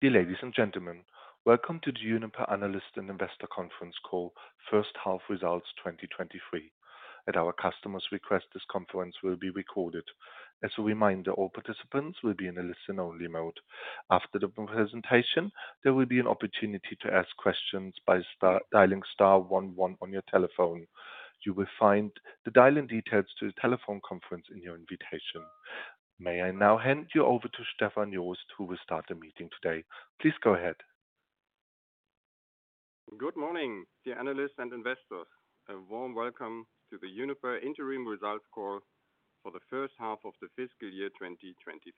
Dear ladies and gentlemen, welcome to the Uniper analyst and investor conference call, first half results 2023. At our customer's request, this conference will be recorded. As a reminder, all participants will be in a listen-only mode. After the presentation, there will be an opportunity to ask questions by dialing star one one on your telephone. You will find the dial-in details to the telephone conference in your invitation. May I now hand you over to Stefan Jost, who will start the meeting today. Please go ahead. Good morning, dear analysts and investors. A warm welcome to the Uniper interim results call for the first half of the fiscal year 2023.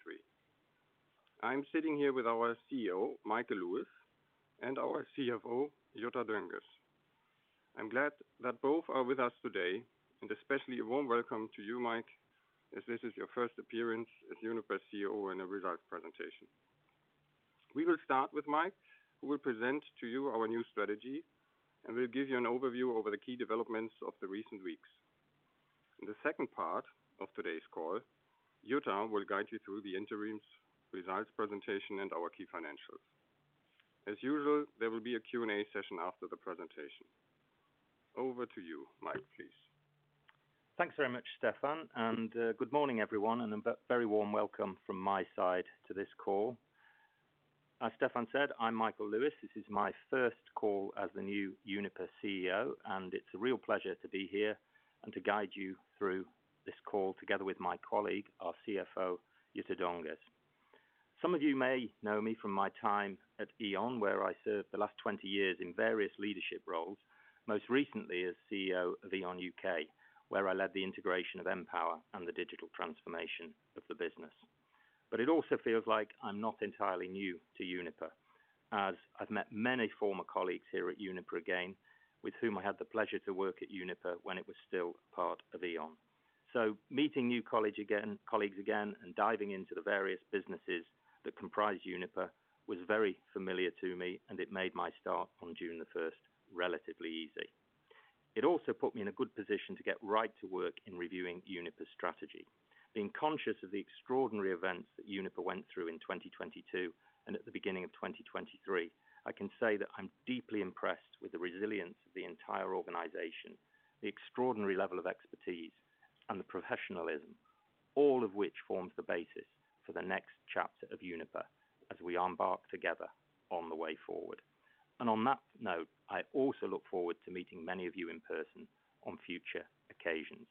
I'm sitting here with our CEO, Michael Lewis, and our CFO, Jutta Dönges. I'm glad that both are with us today, and especially a warm welcome to you, Mike, as this is your first appearance as Uniper CEO in a results presentation. We will start with Mike, who will present to you our new strategy, and we'll give you an overview over the key developments of the recent weeks. In the second part of today's call, Jutta will guide you through the interims results presentation and our key financials. As usual, there will be a Q&A session after the presentation. Over to you, Mike, please. Thanks very much, Stefan, and good morning, everyone, and a very warm welcome from my side to this call. As Stefan said, I'm Michael Lewis. This is my first call as the new Uniper CEO, and it's a real pleasure to be here and to guide you through this call together with my colleague, our CFO, Jutta Dönges. Some of you may know me from my time at E.ON, where I served the last 20 years in various leadership roles, most recently as CEO of E.ON U.K., where I led the integration of npower and the digital transformation of the business. But it also feels like I'm not entirely new to Uniper, as I've met many former colleagues here at Uniper again, with whom I had the pleasure to work at Uniper when it was still part of E.ON. Meeting new college again-- colleagues again and diving into the various businesses that comprise Uniper was very familiar to me, and it made my start on June 1st, relatively easy. It also put me in a good position to get right to work in reviewing Uniper's strategy. Being conscious of the extraordinary events that Uniper went through in 2022 and at the beginning of 2023, I can say that I'm deeply impressed with the resilience of the entire organization, the extraordinary level of expertise and the professionalism, all of which forms the basis for the next chapter of Uniper as we embark together on the way forward. On that note, I also look forward to meeting many of you in person on future occasions.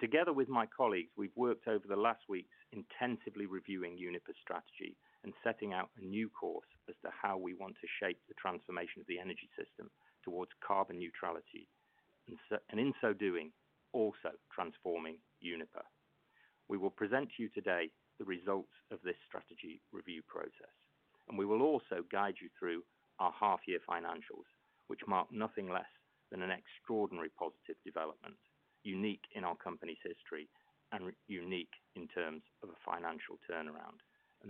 Together with my colleagues, we've worked over the last weeks intensively reviewing Uniper's strategy and setting out a new course as to how we want to shape the transformation of the energy system towards carbon neutrality, and in so doing, also transforming Uniper. We will present to you today the results of this strategy review process, and we will also guide you through our half-year financials, which mark nothing less than an extraordinary positive development, unique in our company's history and unique in terms of a financial turnaround.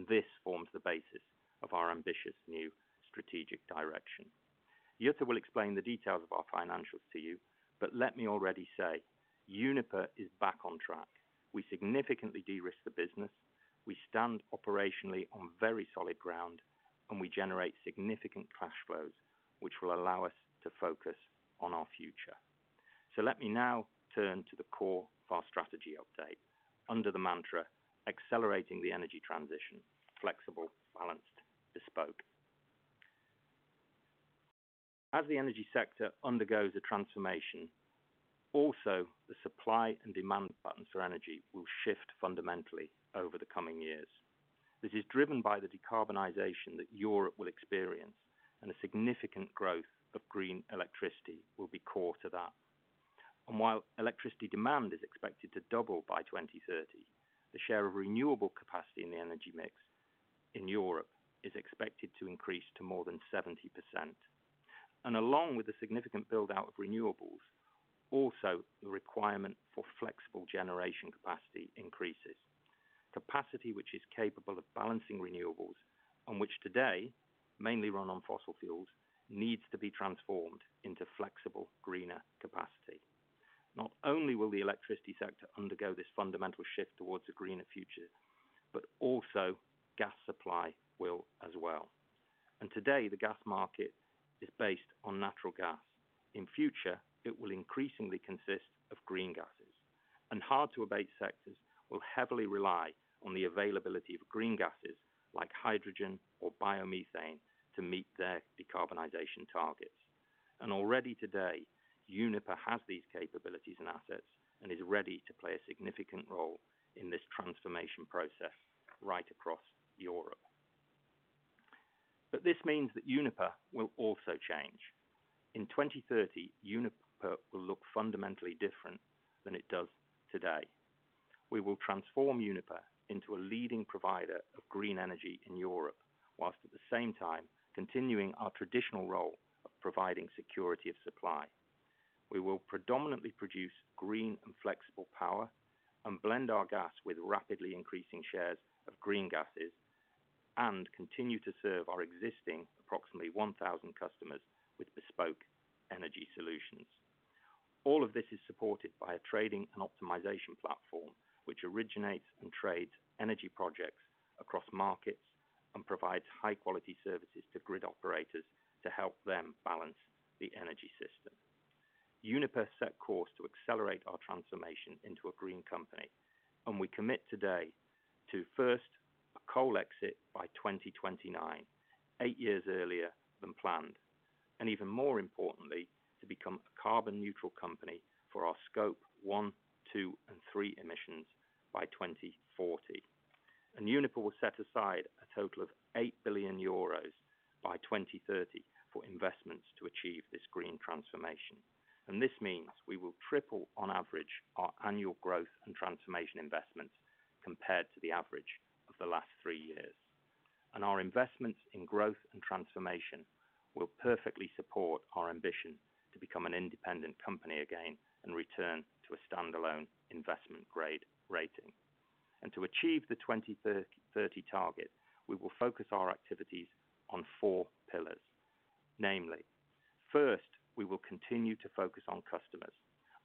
This forms the basis of our ambitious new strategic direction. Jutta will explain the details of our financials to you, but let me already say, Uniper is back on track. We significantly de-risk the business, we stand operationally on very solid ground, and we generate significant cash flows, which will allow us to focus on our future. Let me now turn to the core of our strategy update under the mantra, "Accelerating the energy transition, flexible, balanced, bespoke." As the energy sector undergoes a transformation, also, the supply and demand patterns for energy will shift fundamentally over the coming years. This is driven by the decarbonization that Europe will experience, and a significant growth of green electricity will be core to that. While electricity demand is expected to double by 2030, the share of renewable capacity in the energy mix in Europe is expected to increase to more than 70%. Along with the significant build-out of renewables, also the requirement for Flexible Generation capacity increases. Capacity, which is capable of balancing renewables, on which today, mainly run on fossil fuels, needs to be transformed into flexible, greener capacity. Not only will the electricity sector undergo this fundamental shift towards a greener future, but also gas supply will as well. Today, the gas market is based on natural gas. In future, it will increasingly consist of green gases, and hard-to-abate sectors will heavily rely on the availability of green gases like hydrogen or biomethane to meet their decarbonization targets. Already today, Uniper has these capabilities and assets and is ready to play a significant role in this transformation process right across Europe. This means that Uniper will also change. In 2030, Uniper will look fundamentally different than it does today. We will transform Uniper into a leading provider of green energy in Europe, whilst at the same time continuing our traditional role of providing security of supply. We will predominantly produce green and flexible power and blend our gas with rapidly increasing shares of green gases and continue to serve our existing approximately 1,000 customers with bespoke energy solutions. All of this is supported by a trading and optimization platform, which originates and trades energy projects across markets and provides high-quality services to grid operators to help them balance the energy system. Uniper set course to accelerate our transformation into a green company, and we commit today to first, a coal exit by 2029, eight years earlier than planned, and even more importantly, to become a carbon neutral company for our Scope 1, 2, and 3 emissions by 2040. Uniper will set aside a total of 8 billion euros by 2030 for investments to achieve this green transformation. This means we will triple on average our annual growth and transformation investments compared to the average of the last three years. Our investments in growth and transformation will perfectly support our ambition to become an independent company again and return to a standalone investment grade rating. To achieve the 2030 target, we will focus our activities on four pillars. Namely, first, we will continue to focus on customers.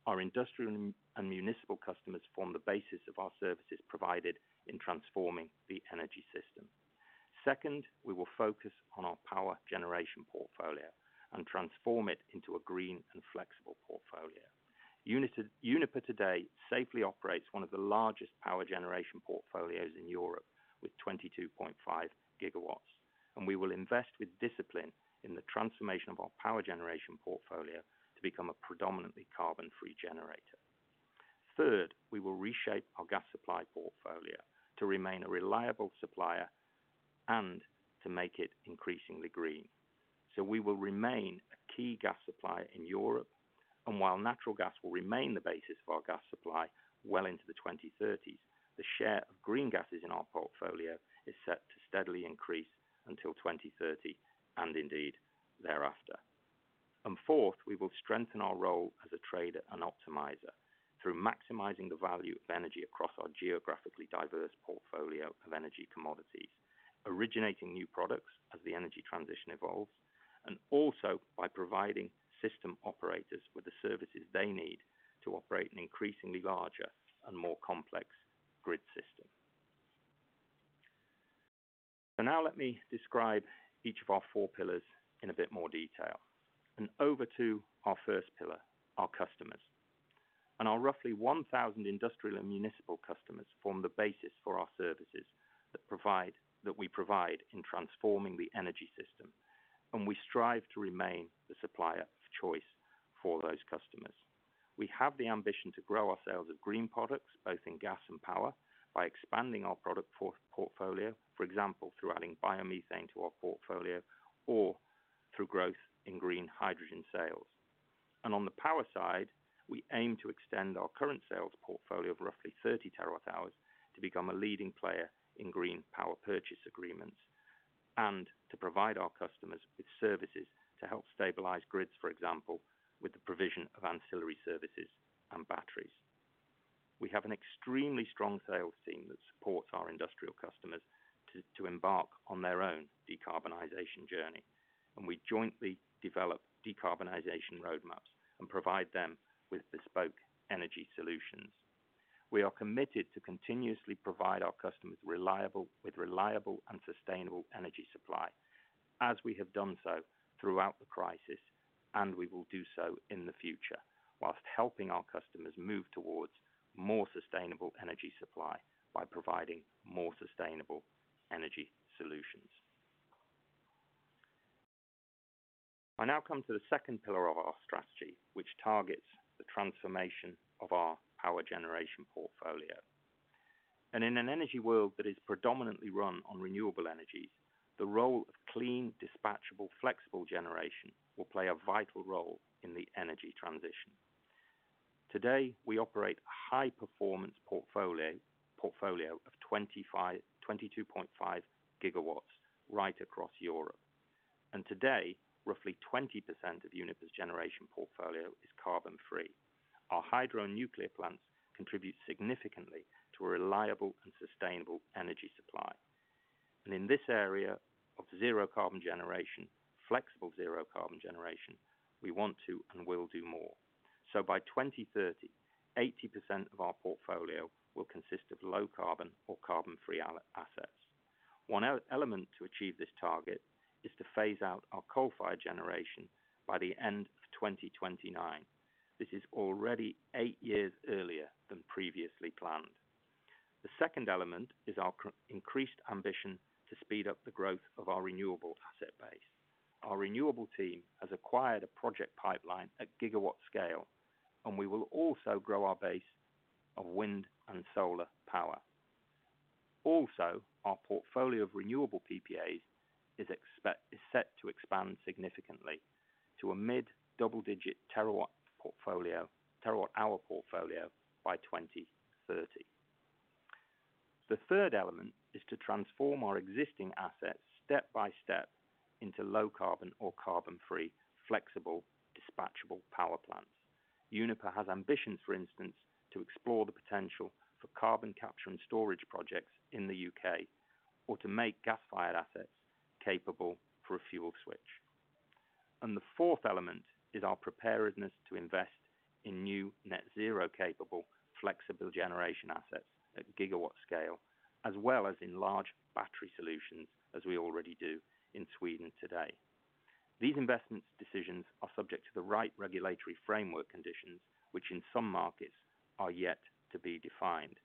Our industrial and municipal customers form the basis of our services provided in transforming the energy system. Second, we will focus on our power generation portfolio and transform it into a green and flexible portfolio. Uniper today safely operates one of the largest power generation portfolios in Europe with 22.5 GW, and we will invest with discipline in the transformation of our power generation portfolio to become a predominantly carbon-free generator. Third, we will reshape our gas supply portfolio to remain a reliable supplier and to make it increasingly green. We will remain a key gas supplier in Europe, and while natural gas will remain the basis for our gas supply well into the 2030s, the share of green gases in our portfolio is set to steadily increase until 2030, and indeed thereafter. Fourth, we will strengthen our role as a trader and optimizer through maximizing the value of energy across our geographically diverse portfolio of energy commodities, originating new products as the energy transition evolves, and also by providing system operators with the services they need to operate an increasingly larger and more complex grid system. Now let me describe each of our four pillars in a bit more detail. Over to our first pillar, our customers. Our roughly 1,000 industrial and municipal customers form the basis for our services that we provide in transforming the energy system, and we strive to remain the supplier of choice for those customers. We have the ambition to grow our sales of green products, both in gas and power, by expanding our product portfolio, for example, through adding biomethane to our portfolio or through growth in green hydrogen sales. On the power side, we aim to extend our current sales portfolio of roughly 30 terawatt-hours to become a leading player in green power purchase agreements, and to provide our customers with services to help stabilize grids, for example, with the provision of ancillary services and batteries. We have an extremely strong sales team that supports our industrial customers to embark on their own decarbonization journey, and we jointly develop decarbonization roadmaps and provide them with bespoke energy solutions. We are committed to continuously provide our customers with reliable and sustainable energy supply, as we have done so throughout the crisis, and we will do so in the future, whilst helping our customers move towards more sustainable energy supply by providing more sustainable energy solutions. I now come to the second pillar of our strategy, which targets the transformation of our power generation portfolio. In an energy world that is predominantly run on renewable energies, the role of clean, dispatchable, Flexible Generation will play a vital role in the energy transition. Today, we operate a high-performance portfolio of 22.5 GW right across Europe. Today, roughly 20% of Uniper's generation portfolio is carbon-free. Our hydro and nuclear plants contribute significantly to a reliable and sustainable energy supply. In this area of zero-carbon generation, flexible zero-carbon generation, we want to and will do more. By 2030, 80% of our portfolio will consist of low-carbon or carbon-free assets. One element to achieve this target is to phase out our coal-fired generation by the end of 2029. This is already eight years earlier than previously planned. The second element is our increased ambition to speed up the growth of our renewable asset base. Our renewable team has acquired a project pipeline at gigawatt scale, and we will also grow our base of wind and solar power. Our portfolio of renewable PPAs is set to expand significantly to a mid-double-digit terawatt-hour portfolio by 2030. The third element is to transform our existing assets step by step into low-carbon or carbon-free, flexible, dispatchable power plants. Uniper has ambitions, for instance, to explore the potential for carbon capture and storage projects in the U.K., or to make gas-fired assets capable for a fuel switch. The fourth element is our preparedness to invest in new net zero capable, Flexible Generation assets at gigawatt scale, as well as in large battery solutions, as we already do in Sweden today. These investments decisions are subject to the right regulatory framework conditions, which in some markets are yet to be defined.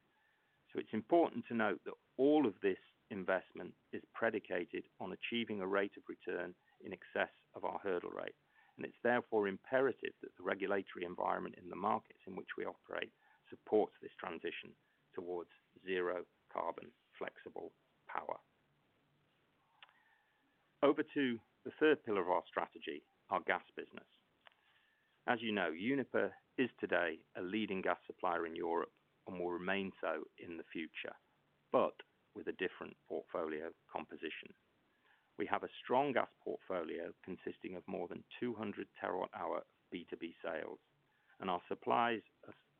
It's important to note that all of this investment is predicated on achieving a rate of return in excess of our hurdle rate. It's therefore imperative that the regulatory environment in the markets in which we operate supports this transition towards zero carbon flexible power. Over to the third pillar of our strategy, our gas business. As you know, Uniper is today a leading gas supplier in Europe and will remain so in the future, but with a different portfolio composition. We have a strong gas portfolio consisting of more than 200 terawatt hour B2B sales, and our supplies,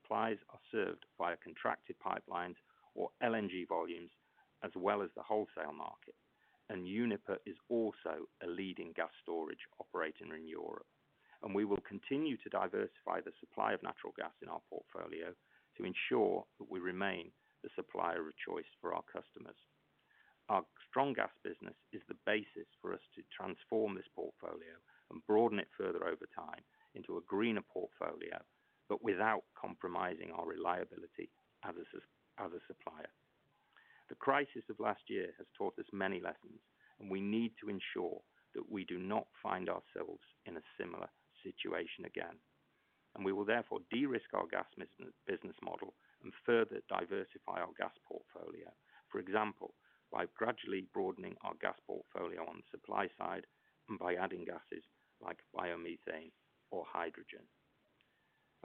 supplies are served via contracted pipelines or LNG volumes, as well as the wholesale market. Uniper is also a leading gas storage operator in Europe, and we will continue to diversify the supply of natural gas in our portfolio to ensure that we remain the supplier of choice for our customers. Our strong gas business is the basis for us to transform this portfolio and broaden it further over time into a greener portfolio, but without compromising our reliability as a supplier. The crisis of last year has taught us many lessons, and we need to ensure that we do not find ourselves in a similar situation again. We will therefore de-risk our gas business model and further diversify our gas portfolio, for example, by gradually broadening our gas portfolio on the supply side and by adding gases like biomethane or hydrogen.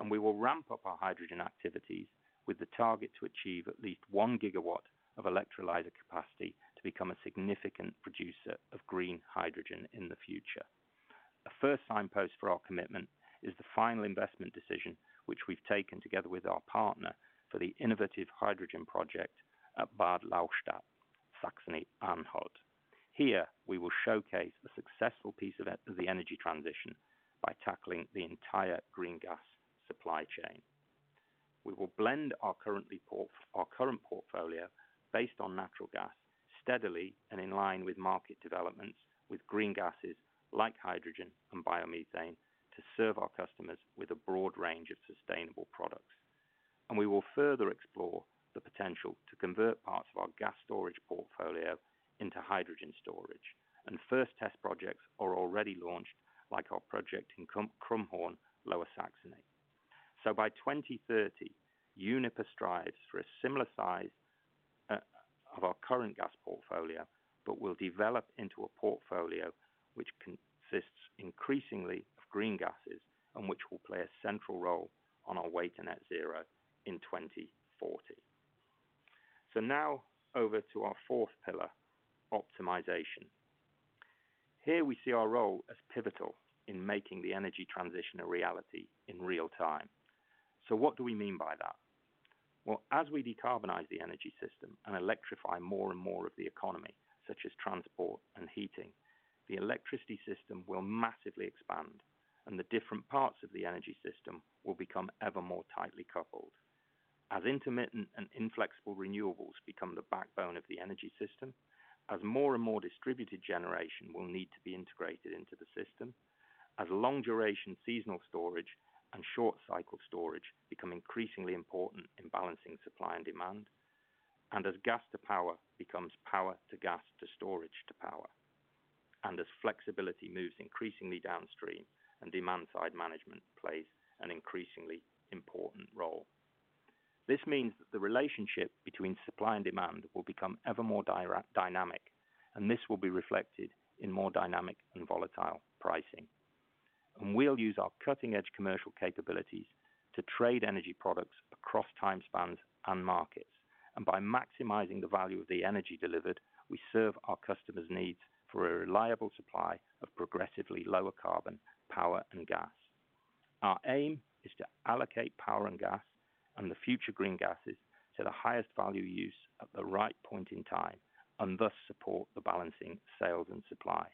We will ramp up our hydrogen activities with the target to achieve at least 1 GW of electrolyzer capacity to become a significant producer of green hydrogen in the future. The first signpost for our commitment is the final investment decision, which we've taken together with our partner for the innovative hydrogen project at Bad Lauchstädt, Saxony-Anhalt. Here, we will showcase a successful piece of the energy transition by tackling the entire green gas supply chain. We will blend our current portfolio based on natural gas, steadily and in line with market developments, with green gases like hydrogen and biomethane, to serve our customers with a broad range of sustainable products. We will further explore the potential to convert parts of our gas storage portfolio into hydrogen storage, and first test projects are already launched, like our project in Krummhorn, Lower Saxony. By 2030, Uniper strives for a similar size of our current gas portfolio, but will develop into a portfolio which consists increasingly of green gases and which will play a central role on our way to net zero in 2040. Now over to our fourth pillar, optimization. Here we see our role as pivotal in making the energy transition a reality in real time. What do we mean by that? Well, as we decarbonize the energy system and electrify more and more of the economy, such as transport and heating, the electricity system will massively expand, and the different parts of the energy system will become ever more tightly coupled. As intermittent and inflexible renewables become the backbone of the energy system, as more and more distributed generation will need to be integrated into the system, as long-duration seasonal storage and short-cycle storage become increasingly important in balancing supply and demand, and as gas to power becomes power to gas to storage to power, and as flexibility moves increasingly downstream and demand side management plays an increasingly important role. This means that the relationship between supply and demand will become ever more dynamic, and this will be reflected in more dynamic and volatile pricing. We'll use our cutting-edge commercial capabilities to trade energy products across time spans and markets, and by maximizing the value of the energy delivered, we serve our customers' needs for a reliable supply of progressively lower carbon, power, and gas. Our aim is to allocate power and gas and the future green gases to the highest value use at the right point in time, thus support the balancing sales and supply.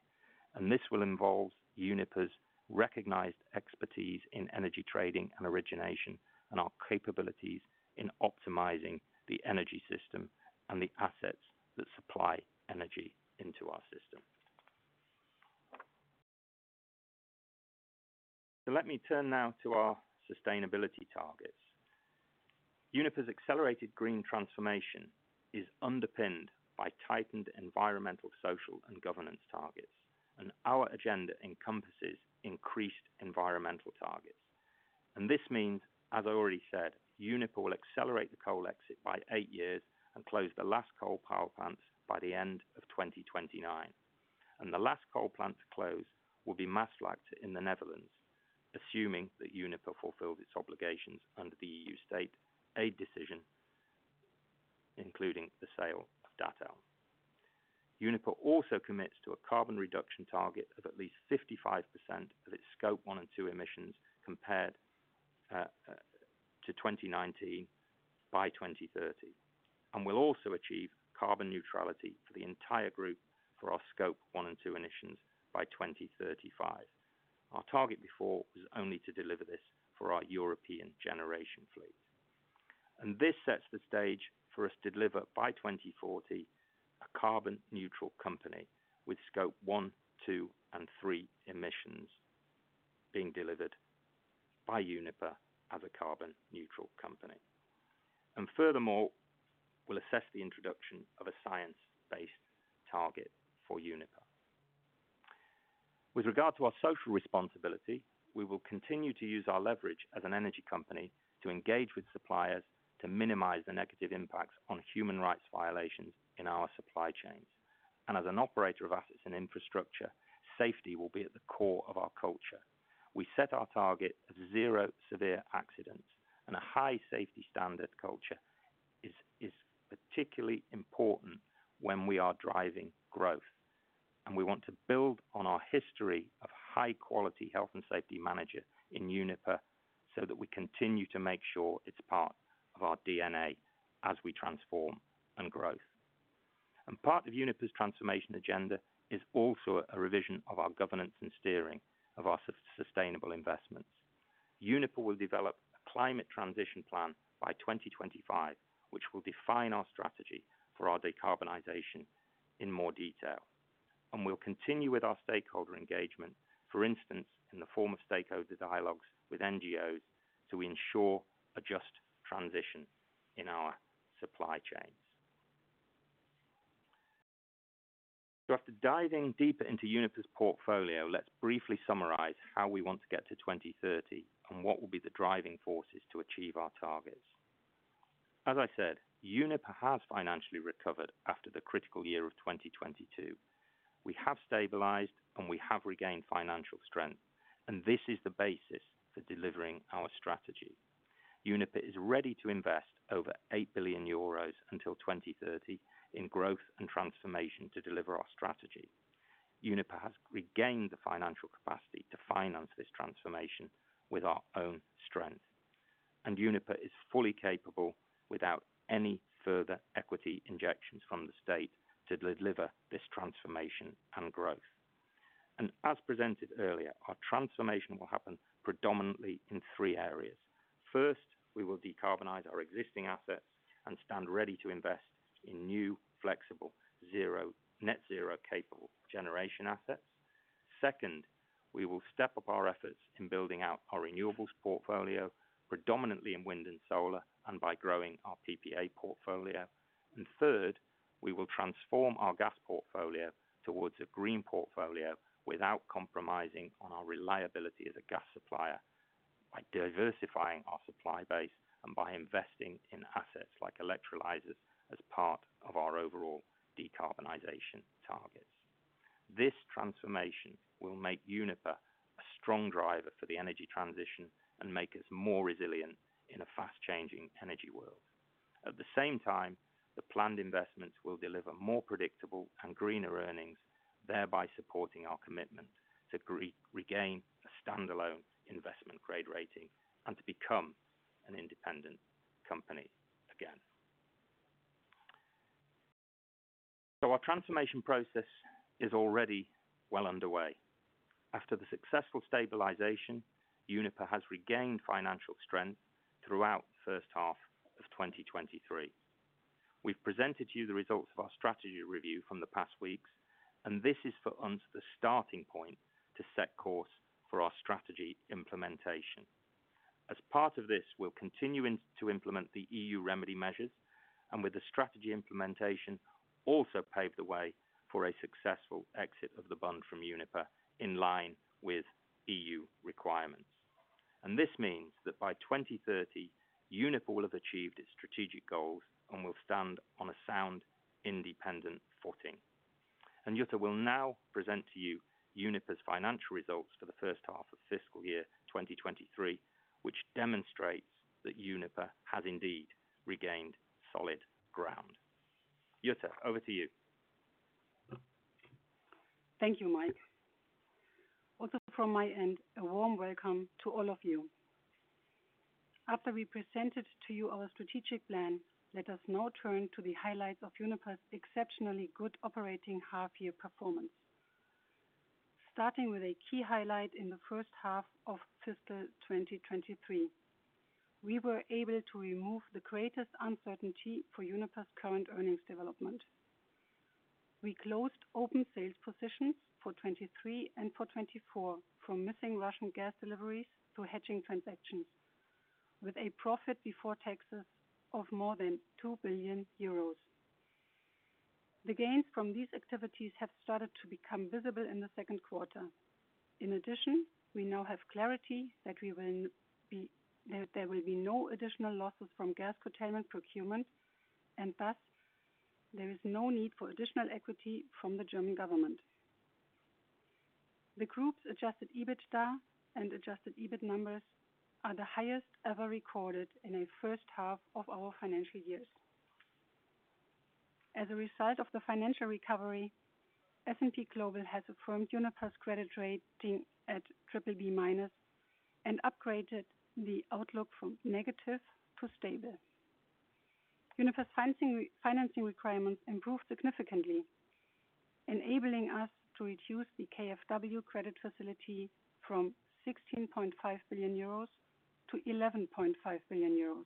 This will involve Uniper's recognized expertise in energy trading and origination, and our capabilities in optimizing the energy system and the assets that supply energy into our system. Let me turn now to our sustainability targets. Uniper's accelerated green transformation is underpinned by tightened environmental, social, and governance targets, our agenda encompasses increased environmental targets. This means, as I already said, Uniper will accelerate the coal exit by eight years and close the last coal power plants by the end of 2029. The last coal plant to close will be Maasvlakte in the Netherlands, assuming that Uniper fulfills its obligations under the E.U. state aid decision, including the sale of Datteln 4. Uniper also commits to a carbon reduction target of at least 55% of its Scope 1 and 2 emissions compared to 2019 by 2030. We'll also achieve carbon neutrality for the entire group for our Scope 1 and 2 emissions by 2035. Our target before was only to deliver this for our European generation fleet. This sets the stage for us to deliver, by 2040, a carbon neutral company with Scope 1, 2, and 3 emissions being delivered by Uniper as a carbon neutral company. Furthermore, we'll assess the introduction of a science-based target for Uniper. With regard to our social responsibility, we will continue to use our leverage as an energy company to engage with suppliers to minimize the negative impacts on human rights violations in our supply chains. As an operator of assets and infrastructure, safety will be at the core of our culture. We set our target as zero severe accidents. A high safety standard culture is particularly important when we are driving growth. We want to build on our history of high-quality health and safety management in Uniper, so that we continue to make sure it's part of our DNA as we transform and growth. Part of Uniper's transformation agenda is also a revision of our governance and steering of our sustainable investments. Uniper will develop a climate transition plan by 2025, which will define our strategy for our decarbonization in more detail. We'll continue with our stakeholder engagement, for instance, in the form of stakeholder dialogues with NGOs to ensure a just transition in our supply chains. After diving deeper into Uniper's portfolio, let's briefly summarize how we want to get to 2030 and what will be the driving forces to achieve our targets. As I said, Uniper has financially recovered after the critical year of 2022. We have stabilized, and we have regained financial strength, and this is the basis for delivering our strategy. Uniper is ready to invest over 8 billion euros until 2030 in growth and transformation to deliver our strategy. Uniper has regained the financial capacity to finance this transformation with our own strength, and Uniper is fully capable, without any further equity injections from the state, to deliver this transformation and growth. As presented earlier, our transformation will happen predominantly in three areas. First, we will decarbonize our existing assets and stand ready to invest in new, flexible, net zero-capable generation assets. Second, we will step up our efforts in building out our renewables portfolio, predominantly in wind and solar, and by growing our PPA portfolio. Third, we will transform our gas portfolio towards a green portfolio without compromising on our reliability as a gas supplier, by diversifying our supply base and by investing in assets like electrolyzers as part of our overall decarbonization targets. This transformation will make Uniper a strong driver for the energy transition and make us more resilient in a fast-changing energy world. At the same time, the planned investments will deliver more predictable and greener earnings, thereby supporting our commitment to regain a standalone investment grade rating and to become an independent company again. Our transformation process is already well underway. After the successful stabilization, Uniper has regained financial strength throughout the first half of 2023. We've presented to you the results of our strategy review from the past weeks, and this is on to the starting point to set course for our strategy implementation. As part of this, we'll continue to implement the E.U. remedy measures, and with the strategy implementation, also pave the way for a successful exit of the Bund from Uniper in line with E.U. requirements. This means that by 2030, Uniper will have achieved its strategic goals and will stand on a sound, independent footing. Jutta will now present to you Uniper's financial results for the first half of fiscal year 2023, which demonstrates that Uniper has indeed regained solid ground. Jutta, over to you. Thank you, Mike. From my end, a warm welcome to all of you. After we presented to you our strategic plan, let us now turn to the highlights of Uniper's exceptionally good operating half-year performance. Starting with a key highlight in the first half of fiscal 2023, we were able to remove the greatest uncertainty for Uniper's current earnings development. We closed open sales positions for 2023 and for 2024 from missing Russian gas deliveries to hedging transactions, with a profit before taxes of more than 2 billion euros. The gains from these activities have started to become visible in the second quarter. In addition, we now have clarity that there will be no additional losses from gas containment procurement, and thus, there is no need for additional equity from the German government. The group's adjusted EBITDA and adjusted EBIT numbers are the highest ever recorded in a first half of our financial years. As a result of the financial recovery, S&P Global has affirmed Uniper's credit rating at BBB-, upgraded the outlook from negative to stable. Uniper's financing requirements improved significantly, enabling us to reduce the KfW credit facility from 16.5 billion euros to 11.5 billion euros,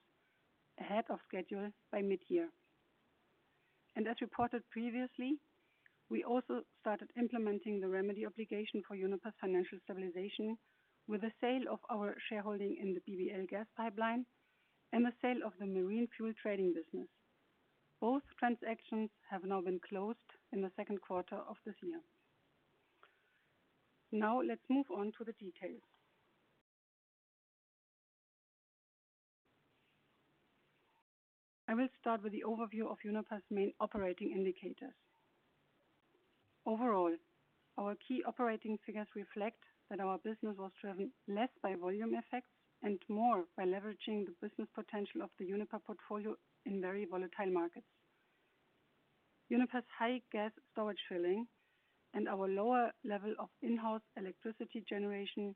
ahead of schedule by mid-year. As reported previously, we also started implementing the remedy obligation for Uniper's financial stabilization, with the sale of our shareholding in the BBL gas pipeline and the sale of the marine fuel trading business. Both transactions have now been closed in the second quarter of this year. Now, let's move on to the details. I will start with the overview of Uniper's main operating indicators. Overall, our key operating figures reflect that our business was driven less by volume effects and more by leveraging the business potential of the Uniper portfolio in very volatile markets. Uniper's high gas storage filling and our lower level of in-house electricity generation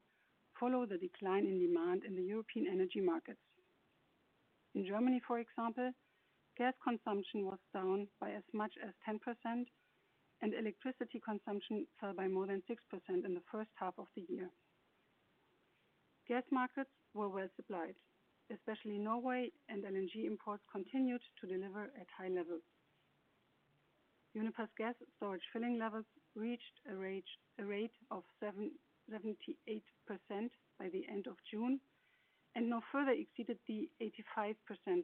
follow the decline in demand in the European energy markets. In Germany, for example, gas consumption was down by as much as 10%, and electricity consumption fell by more than 6% in the first half of the year. Gas markets were well supplied, especially Norway. LNG imports continued to deliver at high levels. Uniper's gas storage filling levels reached a rate of 78% by the end of June, no further exceeded the 85%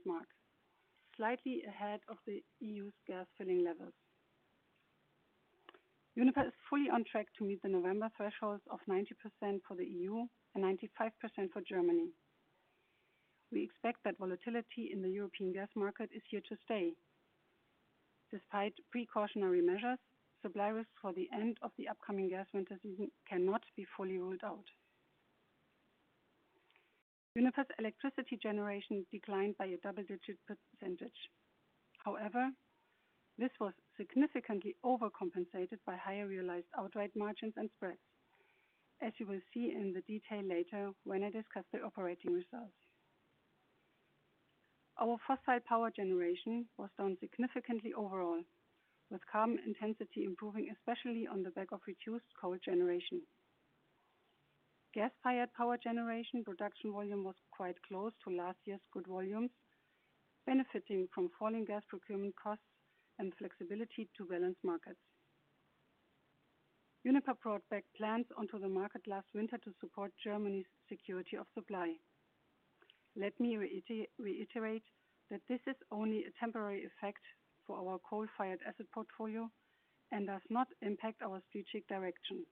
mark, slightly ahead of the E.U.'s gas filling levels. Uniper is fully on track to meet the November thresholds of 90% for the E.U. and 95% for Germany. We expect that volatility in the European gas market is here to stay. Despite precautionary measures, supply risks for the end of the upcoming gas winter season cannot be fully ruled out. Uniper's electricity generation declined by a double-digit percentage. However, this was significantly overcompensated by higher realized outright margins and spreads, as you will see in the detail later when I discuss the operating results. Our fossil power generation was down significantly overall, with carbon intensity improving, especially on the back of reduced coal generation. Gas-fired power generation production volume was quite close to last year's good volumes, benefiting from falling gas procurement costs and flexibility to balance markets. Uniper brought back plants onto the market last winter to support Germany's security of supply. Let me reiterate that this is only a temporary effect for our coal-fired asset portfolio and does not impact our strategic direction.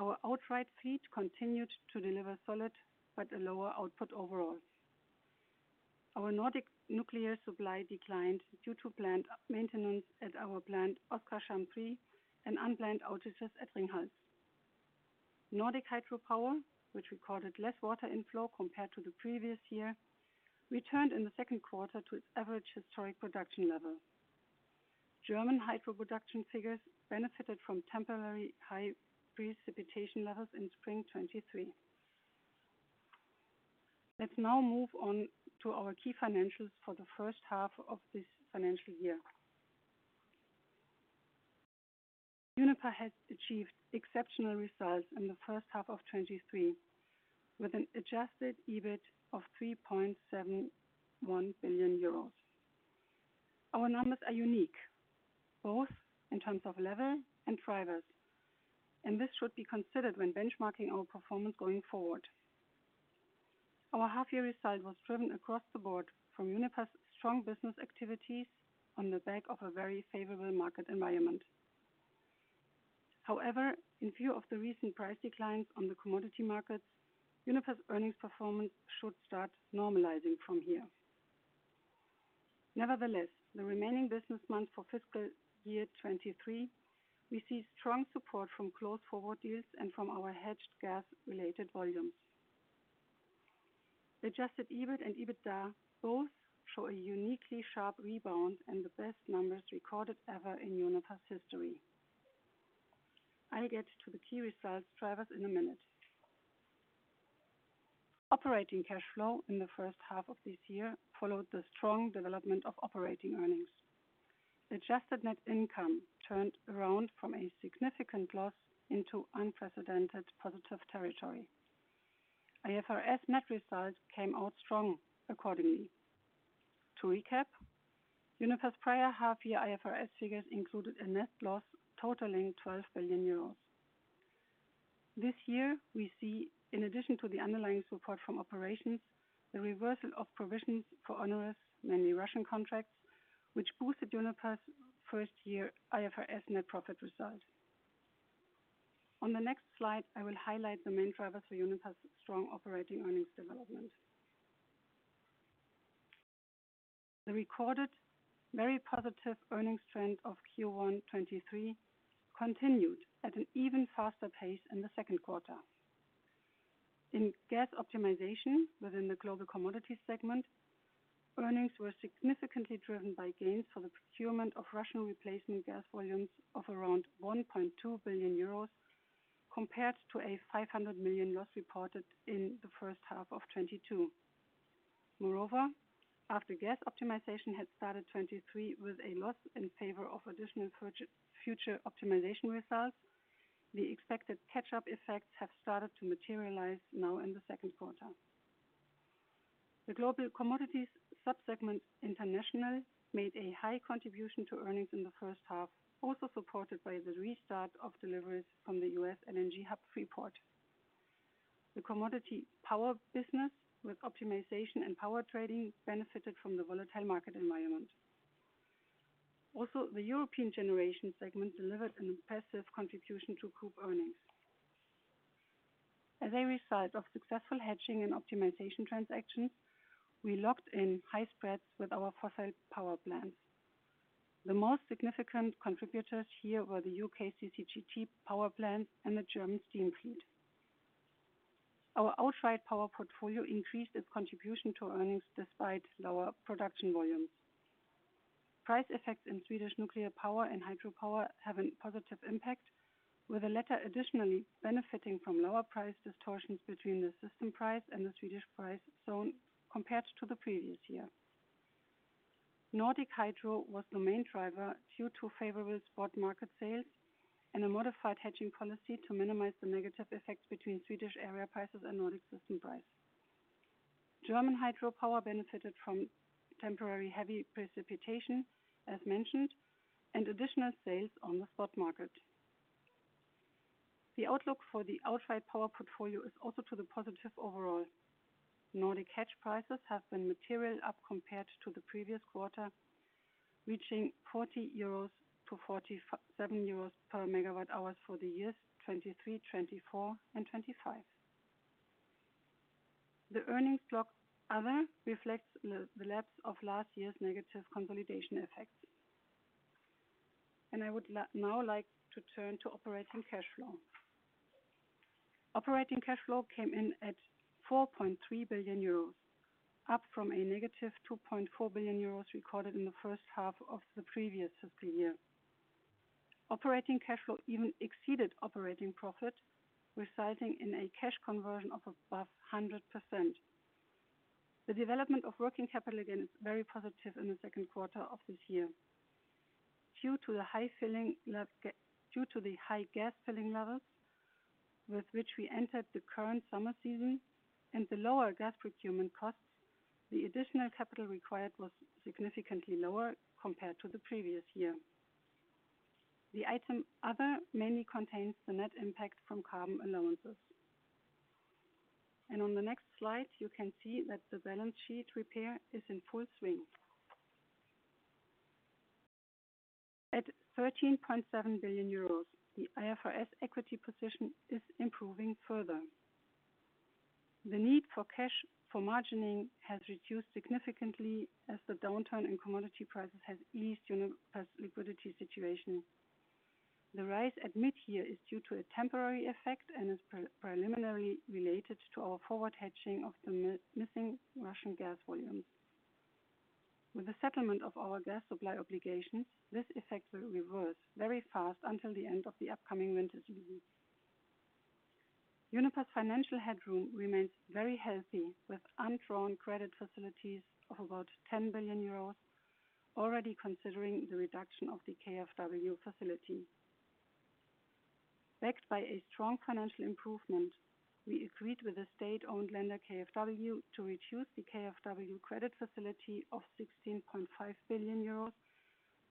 Our outright fleet continued to deliver solid, but a lower output overall. Our Nordic nuclear supply declined due to maintenance at our plant, Oskarshamn 3, and unplanned outages at Ringhals. Nordic hydropower, which recorded less water inflow compared to the previous year, returned in the second quarter to its average historic production level. German hydro production figures benefited from temporary high precipitation levels in spring 2023. Let's now move on to our key financials for the first half of this financial year. Uniper has achieved exceptional results in the first half of 2023, with an adjusted EBIT of 3.71 billion euros. Our numbers are unique, both in terms of level and drivers. This should be considered when benchmarking our performance going forward. Our half-year result was driven across the board from Uniper's strong business activities on the back of a very favorable market environment. In view of the recent price declines on the commodity markets, Uniper's earnings performance should start normalizing from here. The remaining business months for fiscal year 2023, we see strong support from close forward years and from our hedged gas-related volumes. The adjusted EBIT and adjusted EBITDA both show a uniquely sharp rebound and the best numbers recorded ever in Uniper's history. I'll get to the key results drivers in a minute. Operating cash flow in the first half of this year followed the strong development of operating earnings. The adjusted net income turned around from a significant loss into unprecedented positive territory. IFRS net results came out strong accordingly. To recap, Uniper's prior half-year IFRS figures included a net loss totaling 12 billion euros. This year, we see, in addition to the underlying support from operations, the reversal of provisions for onerous, mainly Russian contracts, which boosted Uniper's first-year IFRS net profit result. On the next slide, I will highlight the main drivers for Uniper's strong operating earnings development. The recorded very positive earnings trend of Q1 2023 continued at an even faster pace in the second quarter. In gas optimization within the global commodity segment, earnings were significantly driven by gains for the procurement of Russian replacement gas volumes of around 1.2 billion euros, compared to a 500 million loss reported in the first half of 2022. Moreover, after gas optimization had started 2023 with a loss in favor of additional future optimization results, the expected catch-up effects have started to materialize now in the second quarter. The global commodities sub-segment internationally, made a high contribution to earnings in the first half, also supported by the restart of deliveries from the U.S. LNG hub Freeport. The commodity power business with optimization and power trading, benefited from the volatile market environment. The European generation segment delivered an impressive contribution to group earnings. As a result of successful hedging and optimization transactions, we locked in high spreads with our fossil power plants. The most significant contributors here were the U.K. CCGT power plants and the German steam fleet. Our outright power portfolio increased its contribution to earnings despite lower production volumes. Price effects in Swedish nuclear power and hydropower have a positive impact, with the latter additionally benefiting from lower price distortions between the system price and the Swedish price zone, compared to the previous year. Nordic Hydro was the main driver due to favorable spot market sales and a modified hedging policy to minimize the negative effects between Swedish area prices and Nordic system price. German hydropower benefited from temporary heavy precipitation, as mentioned, and additional sales on the spot market. The outlook for the outright power portfolio is also to the positive overall. Nordic hedge prices have been material up compared to the previous quarter, reaching 40-47 euros per megawatt hours for the years 2023, 2024, and 2025. The earnings block, other, reflects the lapse of last year's negative consolidation effects. I would now like to turn to operating cash flow. Operating cash flow came in at 4.3 billion euros, up from a -2.4 billion euros recorded in the first half of the previous fiscal year. Operating cash flow even exceeded operating profit, resulting in a cash conversion of above 100%. The development of working capital, again, is very positive in the second quarter of this year. Due to the high gas filling levels, with which we entered the current summer season and the lower gas procurement costs, the additional capital required was significantly lower compared to the previous year. The item, other, mainly contains the net impact from carbon allowances. On the next slide, you can see that the balance sheet repair is in full swing. At 13.7 billion euros, the IFRS equity position is improving further. The need for cash for margining has reduced significantly as the downturn in commodity prices has eased Uniper's liquidity situation. The rise at mid-year is due to a temporary effect and is preliminarily related to our forward hedging of the missing Russian gas volumes. With the settlement of our gas supply obligations, this effect will reverse very fast until the end of the upcoming winter season. Uniper's financial headroom remains very healthy, with undrawn credit facilities of about 10 billion euros, already considering the reduction of the KfW facility. Backed by a strong financial improvement, we agreed with the state-owned lender, KfW, to reduce the KfW credit facility of 16.5 billion euros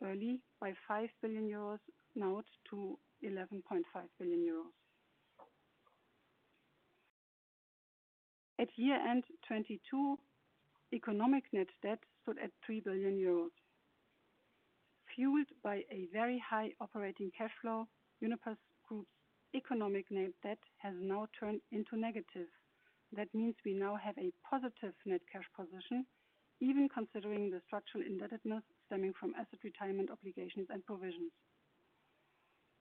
early by 5 billion euros, now to 11.5 billion euros. At year-end 2022, economic net debt stood at 3 billion euros. Fueled by a very high operating cash flow, Uniper's group's economic net debt has now turned into negative. That means we now have a positive net cash position, even considering the structural indebtedness stemming from asset retirement obligations and provisions.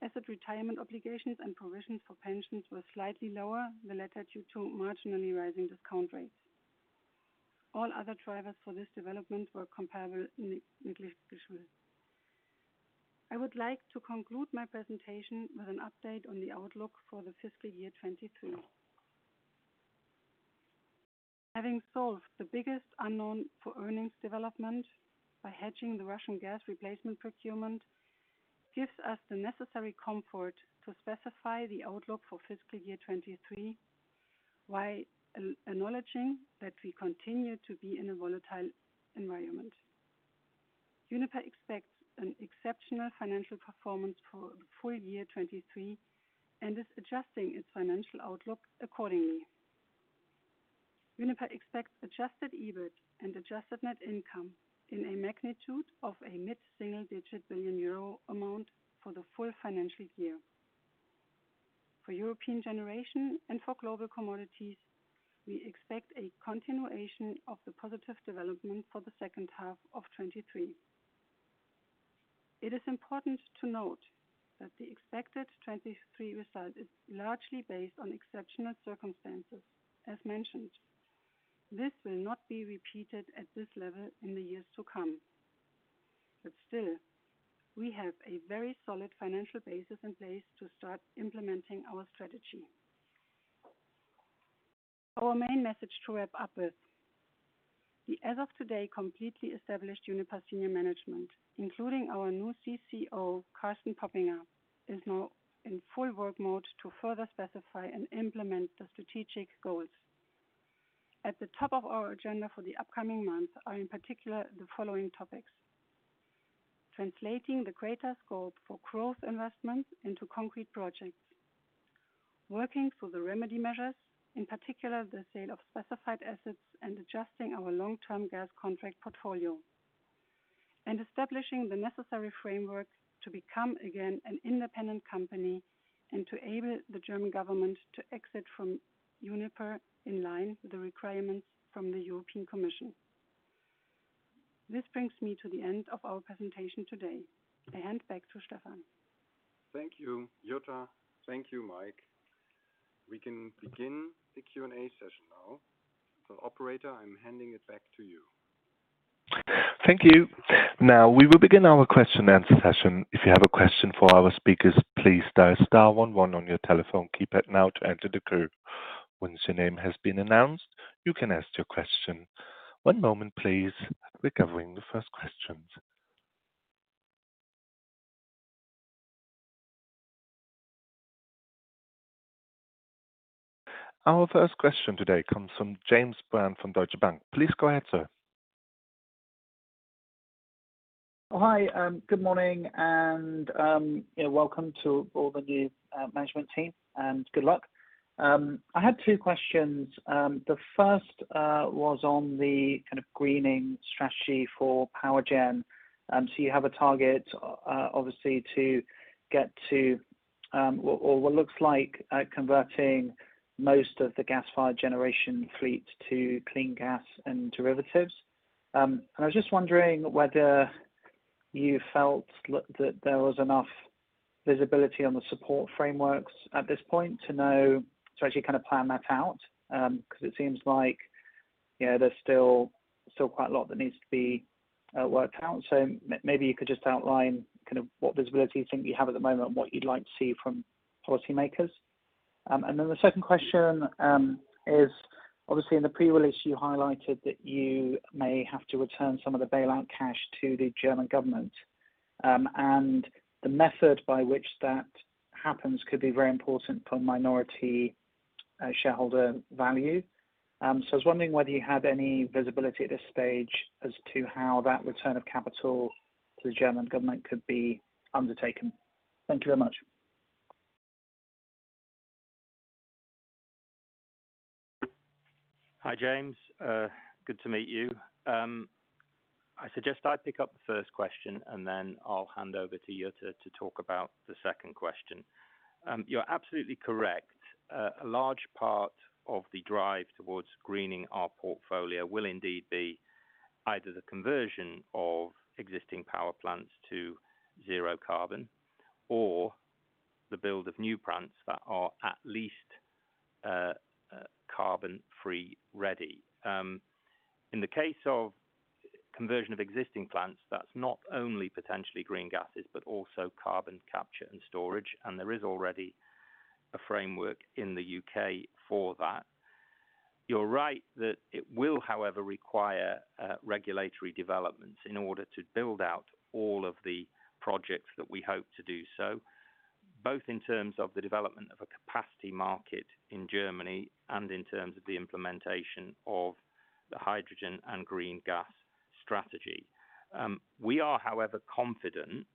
Asset retirement obligations and provisions for pensions were slightly lower, the latter due to marginally rising discount rates. All other drivers for this development were comparable, negligible. I would like to conclude my presentation with an update on the outlook for the fiscal year 2023. Having solved the biggest unknown for earnings development by hedging the Russian gas replacement procurement, gives us the necessary comfort to specify the outlook for fiscal year 2023, while acknowledging that we continue to be in a volatile environment. Uniper expects an exceptional financial performance for the full year 2023, is adjusting its financial outlook accordingly. Uniper expects adjusted EBIT and adjusted net income in a magnitude of a mid-single digit billion euro amount for the full financial year. For European generation and for global commodities, we expect a continuation of the positive development for the second half of 2023. It is important to note that the expected 2023 result is largely based on exceptional circumstances. As mentioned, this will not be repeated at this level in the years to come. Still, we have a very solid financial basis in place to start implementing our strategy. Our main message to wrap up with, the as of today, completely established Uniper senior management, including our new CCO, Carsten Poppinga, is now in full work mode to further specify and implement the strategic goals. At the top of our agenda for the upcoming months are, in particular, the following topics: translating the greater scope for growth investments into concrete projects, working through the remedy measures, in particular, the sale of specified assets and adjusting our long-term gas contract portfolio, and establishing the necessary framework to become again, an independent company, and to enable the German government to exit from Uniper in line with the requirements from the European Commission. This brings me to the end of our presentation today. I hand back to Stefan. Thank you, Jutta. Thank you, Mike. We can begin the Q&A session now. Operator, I'm handing it back to you. Thank you. Now, we will begin our question-and-answer session. If you have a question for our speakers, please dial star one one on your telephone keypad now to enter the queue. Once your name has been announced, you can ask your question. One moment, please. We're covering the first questions. Our first question today comes from James Brand from Deutsche Bank. Please go ahead, sir. Hi, good morning, yeah, welcome to all the new management team, and good luck. I had two questions. The 1st was on the kind of greening strategy for power gen. You have a target, obviously, to get to, or, or what looks like, converting most of the gas-fired generation fleet to clean gas and derivatives. I was just wondering whether you felt that there was enough visibility on the support frameworks at this point to know to actually kind of plan that out? It seems like, you know, there's still, still quite a lot that needs to be worked out. Maybe you could just outline kind of what visibility you think you have at the moment and what you'd like to see from policymakers. The second question, is obviously in the pre-release, you highlighted that you may have to return some of the bailout cash to the German government, and the method by which that happens could be very important for minority shareholder value. I was wondering whether you had any visibility at this stage as to how that return of capital to the German government could be undertaken. Thank you very much. Hi, James, good to meet you. I suggest I pick up the first question, and then I'll hand over to Jutta to talk about the second question. You're absolutely correct. A large part of the drive towards greening our portfolio will indeed be either the conversion of existing power plants to zero carbon or the build of new plants that are at least carbon-free ready. In the case of conversion of existing plants, that's not only potentially green gases, but also carbon capture and storage, and there is already a framework in the U.K. for that. You're right that it will, however, require regulatory developments in order to build out all of the projects that we hope to do so, both in terms of the development of a capacity market in Germany and in terms of the implementation of the hydrogen and green gas strategy. We are, however, confident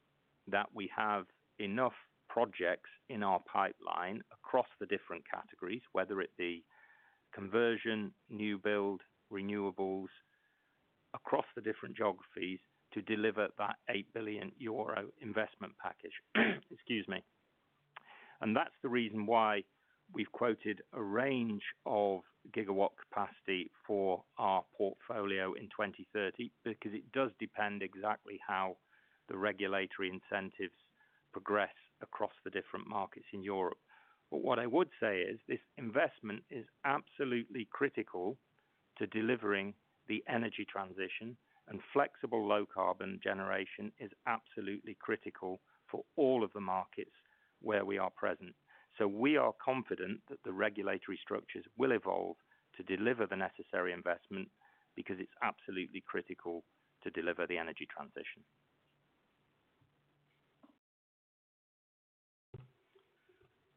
that we have enough projects in our pipeline across the different categories, whether it be conversion, new build, renewables across the different geographies, to deliver that 8 billion euro investment package. Excuse me. That's the reason why we've quoted a range of gigawatt capacity for our portfolio in 2030, because it does depend exactly how the regulatory incentives progress across the different markets in Europe. What I would say is, this investment is absolutely critical to delivering the energy transition, and flexible low-carbon generation is absolutely critical for all of the markets where we are present. We are confident that the regulatory structures will evolve to deliver the necessary investment because it's absolutely critical to deliver the energy transition.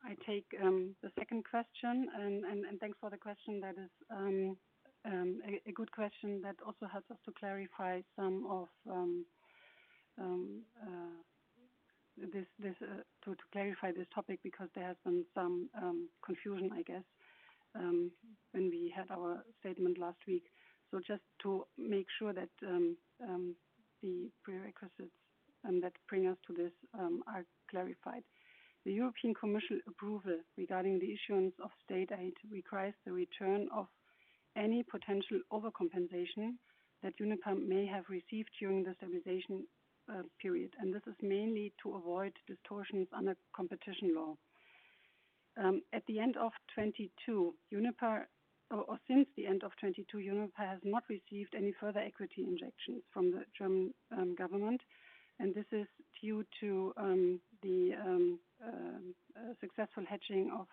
I take the second question. Thanks for the question. That is a good question that also helps us to clarify some of this, to clarify this topic, because there has been some confusion, I guess, when we had our statement last week. Just to make sure that the prerequisites that bring us to this are clarified. The European Commission approval regarding the issuance of state aid requires the return of- any potential overcompensation that Uniper may have received during the stabilization period. This is mainly to avoid distortions under competition law. At the end of 2022, Uniper, or since the end of 2022, Uniper has not received any further equity injections from the German government, and this is due to the successful hedging of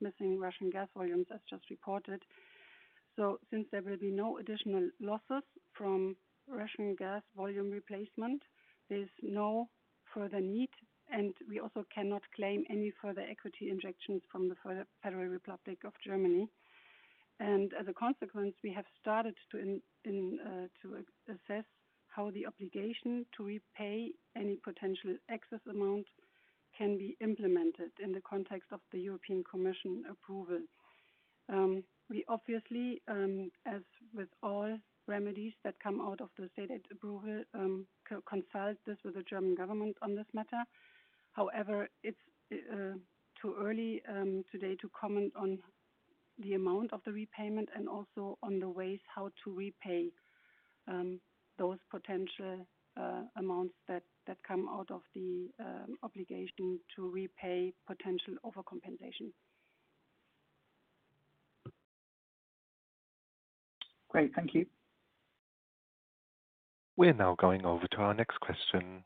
missing Russian gas volumes, as just reported. Since there will be no additional losses from Russian gas volume replacement, there's no further need, and we also cannot claim any further equity injections from the Federal Republic of Germany. As a consequence, we have started to assess how the obligation to repay any potential excess amount can be implemented in the context of the European Commission approval. We obviously, as with all remedies that come out of the state aid approval, consult this with the German government on this matter. However, it's too early today to comment on the amount of the repayment and also on the ways how to repay those potential amounts that, that come out of the obligation to repay potential overcompensation. Great, thank you. We're now going over to our next question.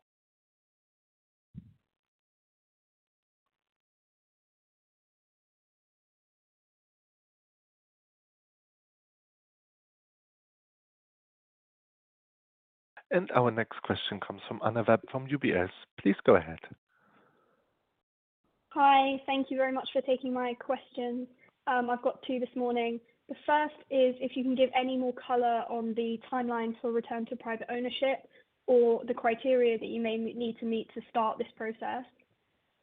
Our next question comes from Anna Webb, from UBS. Please go ahead. Hi, thank you very much for taking my question. I've got two this morning. The first is if you can give any more color on the timeline for return to private ownership or the criteria that you may need to meet to start this process.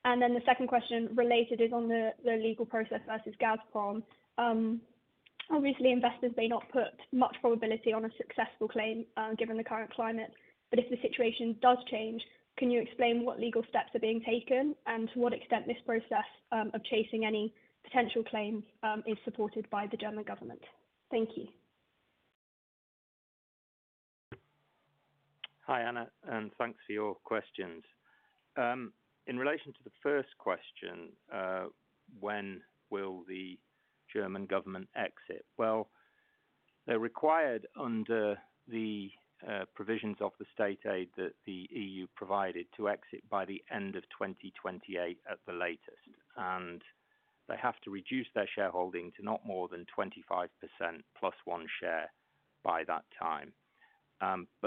The second question related is on the legal process versus Gazprom. Obviously, investors may not put much probability on a successful claim, given the current climate, but if the situation does change, can you explain what legal steps are being taken and to what extent this process of chasing any potential claims is supported by the German government? Thank you. Hi, Anna, and thanks for your questions. In relation to the first question, when will the German government exit? Well, they're required under the provisions of the state aid that the E.U. provided to exit by the end of 2028 at the latest. They have to reduce their shareholding to not more than 25% +1 share by that time.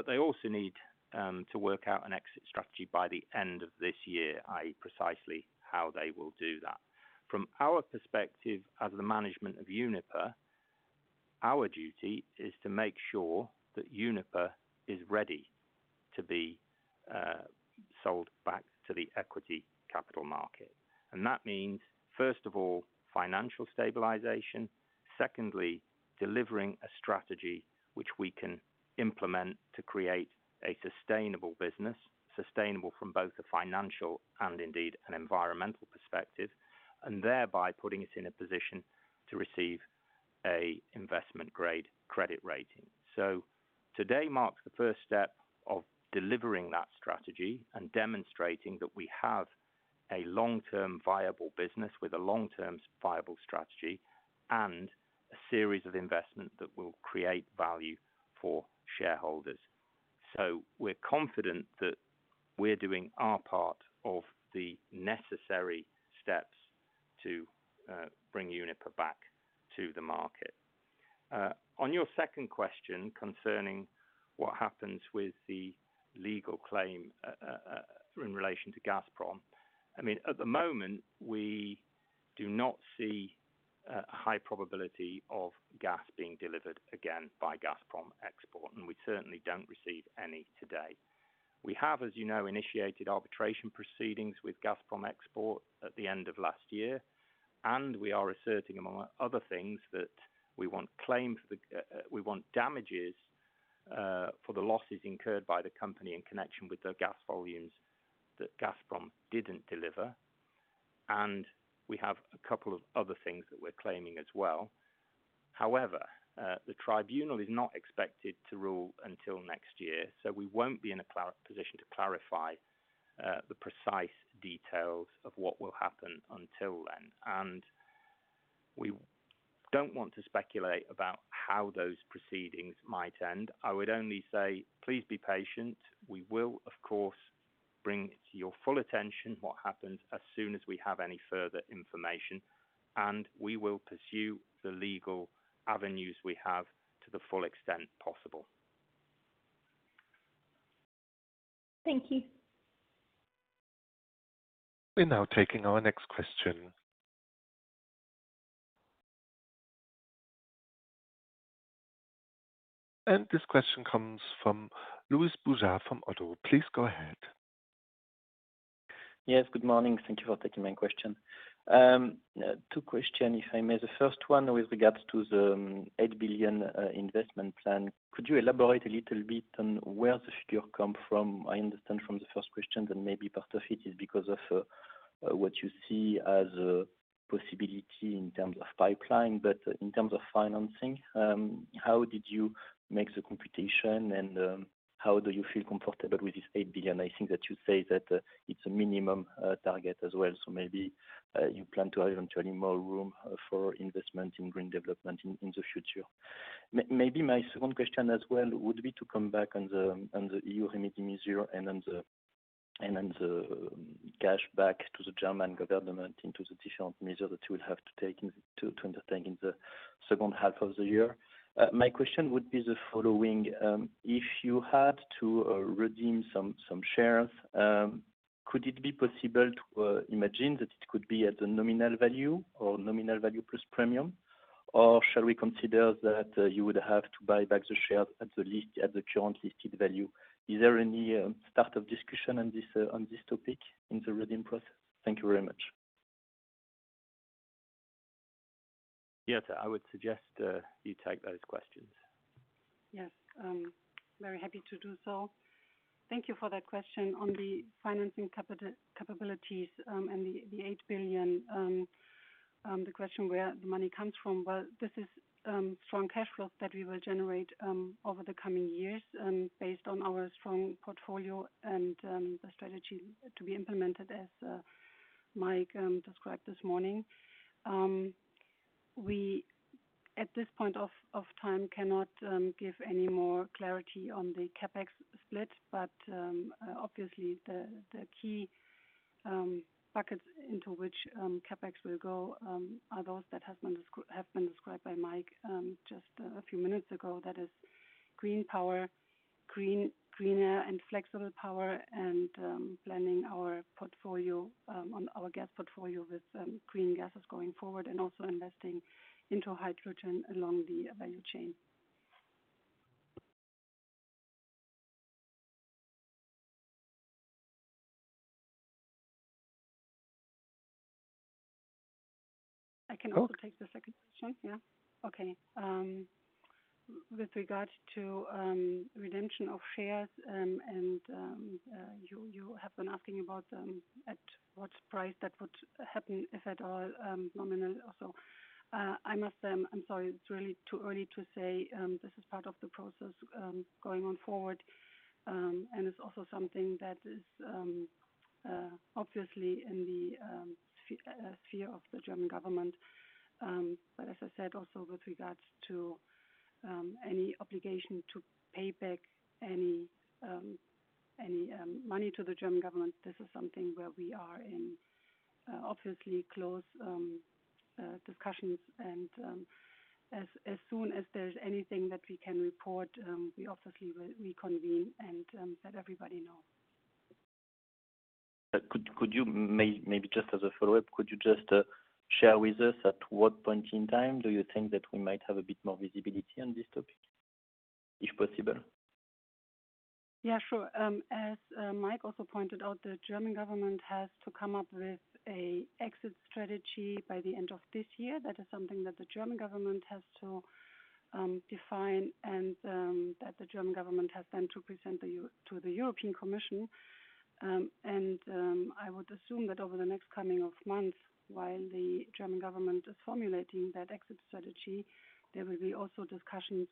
They also need to work out an exit strategy by the end of this year, i.e., precisely how they will do that. From our perspective as the management of Uniper, our duty is to make sure that Uniper is ready to be sold back to the equity capital market. That means, first of all, financial stabilization. Secondly, delivering a strategy which we can implement to create a sustainable business, sustainable from both a financial and indeed, an environmental perspective, and thereby putting us in a position to receive a investment-grade credit rating. Today marks the first step of delivering that strategy and demonstrating that we have a long-term viable business with a long-term viable strategy and a series of investments that will create value for shareholders. We're confident that we're doing our part of the necessary steps to bring Uniper back to the market. On your second question, concerning what happens with the legal claim in relation to Gazprom, I mean, at the moment, we do not see a high probability of gas being delivered again by Gazprom Export, and we certainly don't receive any today. We have, as you know, initiated arbitration proceedings with Gazprom Export at the end of last year, and we are asserting, among other things, that we want claims, we want damages, for the losses incurred by the company in connection with the gas volumes that Gazprom didn't deliver. We have a couple of other things that we're claiming as well. However, the tribunal is not expected to rule until next year, so we won't be in a clear position to clarify the precise details of what will happen until then. We don't want to speculate about how those proceedings might end. I would only say, please be patient. We will, of course, bring to your full attention what happens as soon as we have any further information, and we will pursue the legal avenues we have to the full extent possible. Thank you. We're now taking our next question. This question comes from Louis Boujard from Oddo. Please go ahead. Yes, good morning. Thank you for taking my question. Two question, if I may. The first one with regards to the 8 billion investment plan. Could you elaborate a little bit on where the figure come from? I understand from the first question that maybe part of it is because of what you see as a possibility in terms of pipeline, but in terms of financing, how did you make the computation, and how do you feel comfortable with this 8 billion? I think that you say that it's a minimum target as well, so maybe you plan to have even turning more room for investment in green development in the future. Maybe my second question as well would be to come back on the, on the E.U. remedy measure and on the, and on the cash back to the German government into the different measure that you will have to take in to undertake in the second half of the year. My question would be the following: if you had to redeem some, some shares, could it be possible to imagine that it could be at a nominal value or nominal value plus premium? Or shall we consider that you would have to buy back the shares at the least, at the current listed value? Is there any start of discussion on this on this topic in the redeem process? Thank you very much. Yes, I would suggest, you take those questions. Yes. Very happy to do so. Thank you for that question on the financing capabilities and the 8 billion. The question where the money comes from, well, this is strong cash flow that we will generate over the coming years, based on our strong portfolio and the strategy to be implemented as Michael described this morning. We, at this point of time, cannot give any more clarity on the CapEx split, but obviously, the key buckets into which CapEx will go are those that have been described by Michael just a few minutes ago. That is green power, green- greener and flexible power and planning our portfolio on our gas portfolio with green gases going forward, and also investing into hydrogen along the value chain. I can also take the second question. Yeah. Okay. With regards to redemption of shares, and you, you have been asking about at what price that would happen, if at all, nominal or so. I must say, I'm sorry, it's really too early to say. This is part of the process going on forward. It's also something that is obviously in the sphere of the German government. As I said also with regards to any obligation to pay back any, any money to the German Government, this is something where we are in obviously close discussions and as soon as there's anything that we can report, we obviously will reconvene and let everybody know. Could, could you maybe just as a follow-up, could you just share with us at what point in time do you think that we might have a bit more visibility on this topic, if possible? Yeah, sure. As Mike also pointed out, the German government has to come up with a exit strategy by the end of this year. That is something that the German government has to define and that the German government has then to present to the European Commission. I would assume that over the next coming of months, while the German government is formulating that exit strategy, there will be also discussions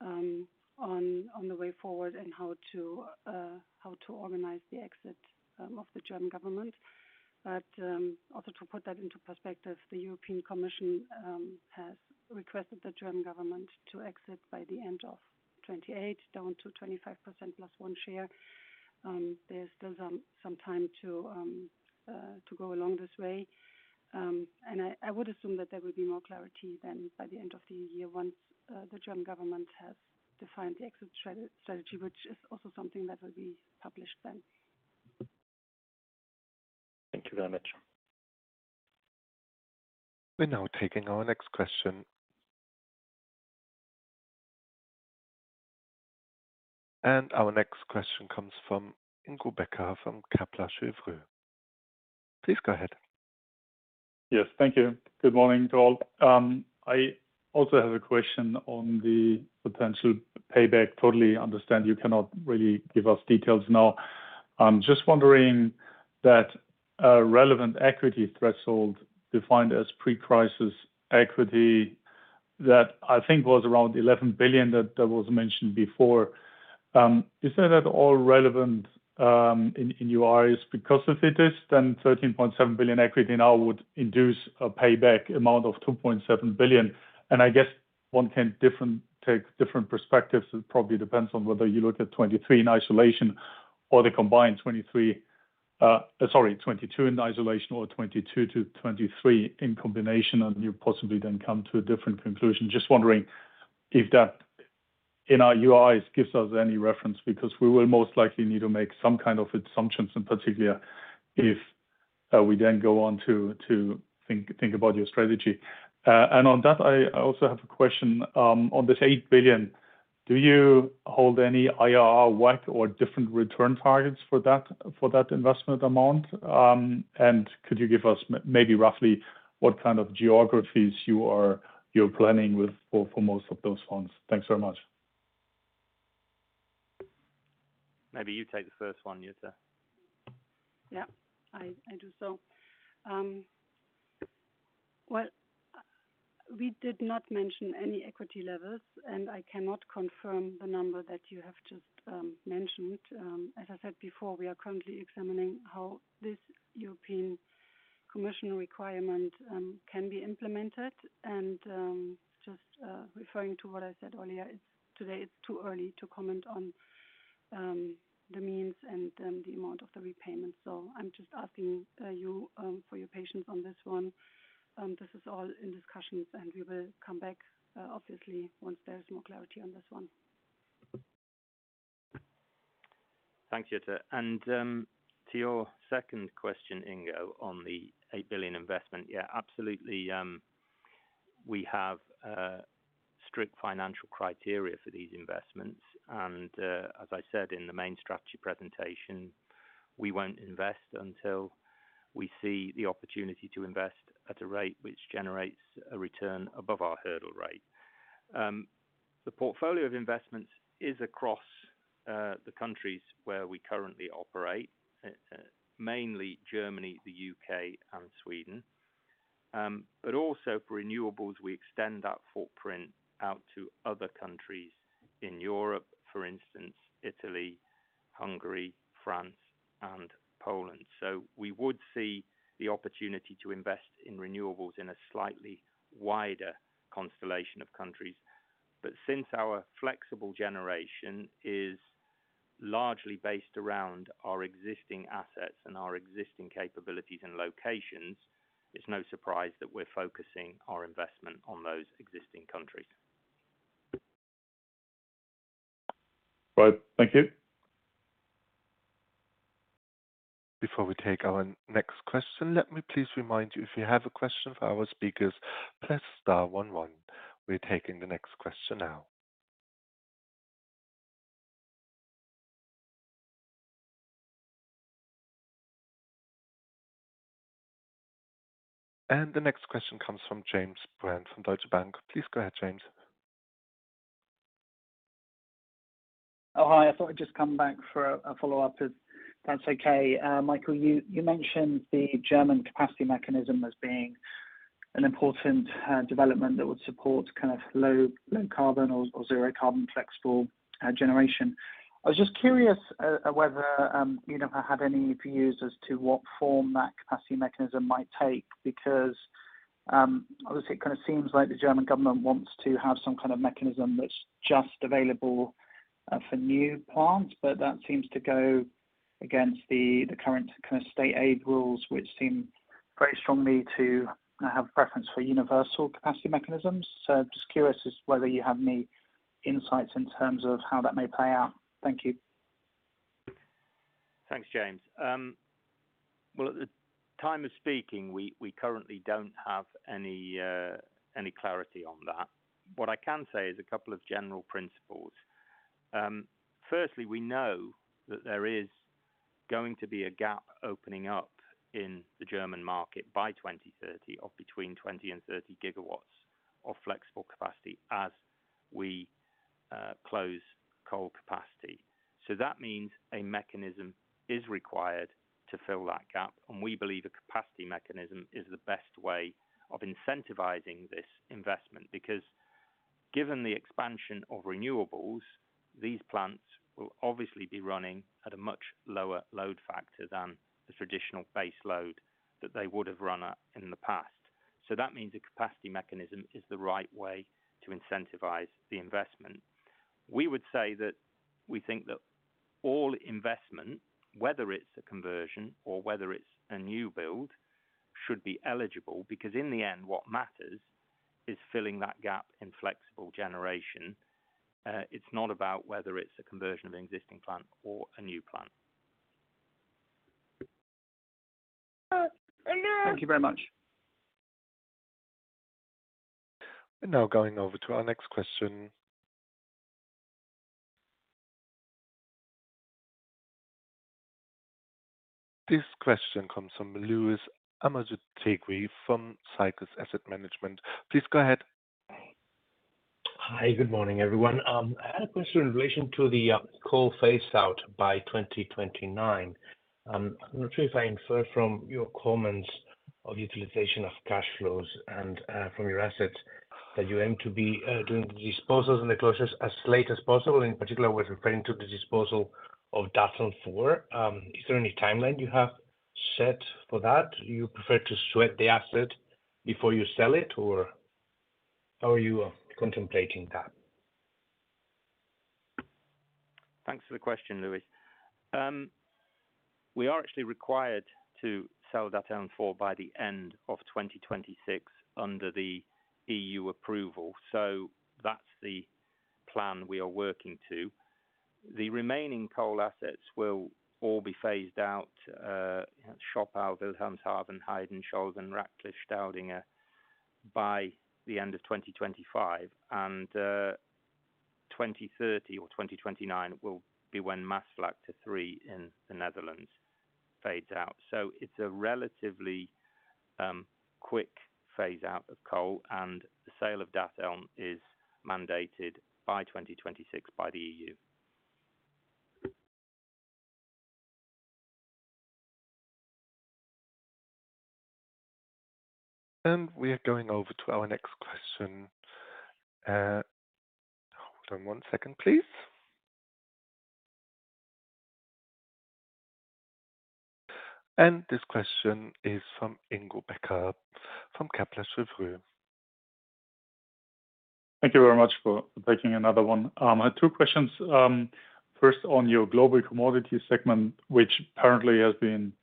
on the way forward and how to organize the exit of the German government. Also to put that into perspective, the European Commission has requested the German government to exit by the end of 2028, down to 25% +1 share. There's still some, some time to go along this way. I, I would assume that there will be more clarity then by the end of the year once the German government has defined the exit strategy, which is also something that will be published then. Thank you very much. We're now taking our next question. Our next question comes from Ingo Becker, from Kepler Cheuvreux. Please go ahead. Yes, thank you. Good morning to all. I also have a question on the potential payback. Totally understand you cannot really give us details now. I'm just wondering that a relevant equity threshold, defined as pre-crisis equity, that I think was around 11 billion, that was mentioned before. Is that at all relevant in your eyes? Because if it is, then 13.7 billion equity now would induce a payback amount of 2.7 billion. I guess one can take different perspectives. It probably depends on whether you look at 2023 in isolation or the combined 2023, sorry, 2022 in isolation, or 2022-2023 in combination, and you possibly then come to a different conclusion. Just wondering if that, in our UI, gives us any reference, because we will most likely need to make some kind of assumptions, in particular, if we then go on to think about your strategy. On that, I also have a question on this 8 billion, do you hold any IRR, WACC, or different return targets for that, for that investment amount? Could you give us maybe roughly what kind of geographies you're planning with for, for most of those funds? Thanks very much. Maybe you take the first one, Jutta. Yeah, I, I do so. Well, we did not mention any equity levels, and I cannot confirm the number that you have just mentioned. As I said before, we are currently examining how this European Commission requirement can be implemented. Just referring to what I said earlier, it's today, it's too early to comment on the means and the amount of the repayment. I'm just asking you for your patience on this one. This is all in discussions, and we will come back, obviously, once there is more clarity on this one. Thank you, Jutta. To your second question, Ingo, on the 8 billion investment, yeah, absolutely, we have strict financial criteria for these investments. As I said in the main strategy presentation, we won't invest until we see the opportunity to invest at a rate which generates a return above our hurdle rate. The portfolio of investments is across the countries where we currently operate, mainly Germany, the U.K., and Sweden. Also for renewables, we extend that footprint out to other countries in Europe, for instance, Italy, Hungary, France, and Poland. We would see the opportunity to invest in renewables in a slightly wider constellation of countries. Since our Flexible Generation is largely based around our existing assets and our existing capabilities and locations, it's no surprise that we're focusing our investment on those existing countries. Right. Thank you. Before we take our next question, let me please remind you, if you have a question for our speakers, press star one one. We're taking the next question now. The next question comes from James Brand, from Deutsche Bank. Please go ahead, James. Oh, hi. I thought I'd just come back for a follow-up, if that's okay. Michael, you, you mentioned the German capacity mechanism as being an important development that would support kind of low, low carbon or, or zero carbon Flexible Generation. I was just curious whether, you know, have any views as to what form that capacity mechanism might take, because, obviously, it kind of seems like the German government wants to have some kind of mechanism that's just available for new plants, but that seems to go against the current kind of State Aid Rules, which seem very strongly to have preference for universal capacity mechanisms. Just curious as whether you have any insights in terms of how that may play out. Thank you. Thanks, James. Well, at the time of speaking, we, we currently don't have any clarity on that. What I can say is a couple of general principles. Firstly, we know that there is going to be a gap opening up in the German market by 2030 of between 20 GW and 30 GW of flexible capacity as we close coal capacity. That means a mechanism is required to fill that gap, and we believe a capacity mechanism is the best way of incentivizing this investment, because given the expansion of renewables, these plants will obviously be running at a much lower load factor than the traditional base load that they would have run at in the past. That means a capacity mechanism is the right way to incentivize the investment. We would say that we think that all investment, whether it's a conversion or whether it's a new build, should be eligible, because in the end, what matters is filling that gap in Flexible Generation. It's not about whether it's a conversion of an existing plant or a new plant. Thank you very much. Going over to our next question. This question comes from Luis Amusategui from Cygnus Asset Management. Please go ahead. Hi, good morning, everyone. I had a question in relation to the coal phase out by 2029. I'm not sure if I infer from your comments of utilization of cash flows and from your assets, that you aim to be doing the disposals and the closures as late as possible, in particular, with referring to the disposal of Datteln 4. Is there any timeline you have set for that? Do you prefer to sweat the asset before you sell it, or how are you contemplating that? Thanks for the question, Louis. We are actually required to sell Datteln 4 by the end of 2026 under the E.U. approval, so that's the plan we are working to. The remaining coal assets will all be phased out, Scholven, Wilhelmshaven, Heyden, Scholven and Ratcliffe, Datteln, by the end of 2025, and 2030 or 2029 will be when Maasvlakte 3 in the Netherlands.... fades out. It's a relatively quick phase out of coal, and the sale of Datteln is mandated by 2026 by the E.U. We are going over to our next question. Hold on one second, please. This question is from Ingo Becker, from Kepler Cheuvreux. Thank you very much for taking another one. I had two questions. First, on your global commodity segment, which apparently has been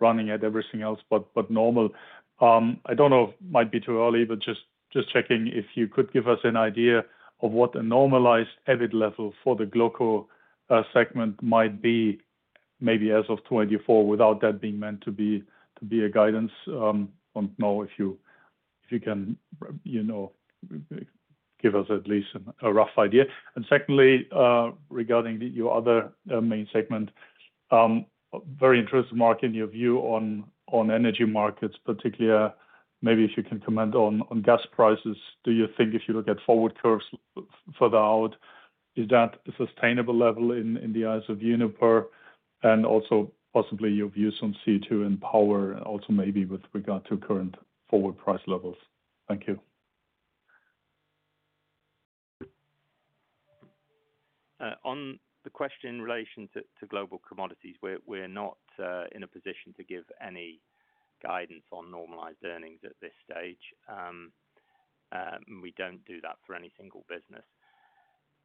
running at everything else, but, but normal. I don't know, it might be too early, but just, just checking if you could give us an idea of what a normalized EBIT level for the Gloco segment might be, maybe as of 2024, without that being meant to be, to be a guidance. I don't know if you, if you can, you know, give us at least a, a rough idea. Secondly, regarding the, your other, main segment, very interested, Mark, in your view on, on energy markets, particularly, maybe if you can comment on, on gas prices. Do you think if you look at forward curves further out, is that a sustainable level in, in the eyes of Uniper? Also possibly your views on CO2 and power, and also maybe with regard to current forward price levels? Thank you. On the question in relation to global commodities, we're not in a position to give any guidance on normalized earnings at this stage. We don't do that for any single business.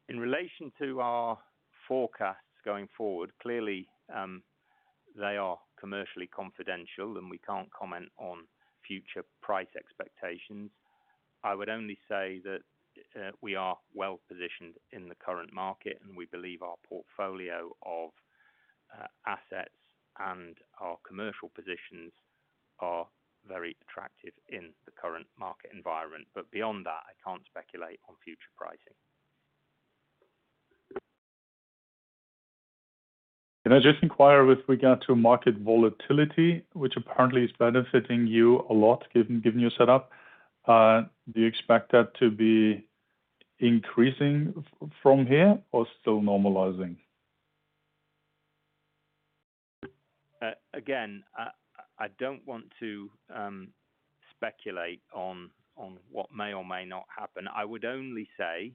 In relation to our forecasts going forward, clearly, they are commercially confidential, and we can't comment on future price expectations. I would only say that we are well-positioned in the current market, and we believe our portfolio of assets and our commercial positions are very attractive in the current market environment. Beyond that, I can't speculate on future pricing. Can I just inquire with regard to market volatility, which apparently is benefiting you a lot, given, given your setup, do you expect that to be increasing from here or still normalizing? Again, I don't want to speculate on what may or may not happen. I would only say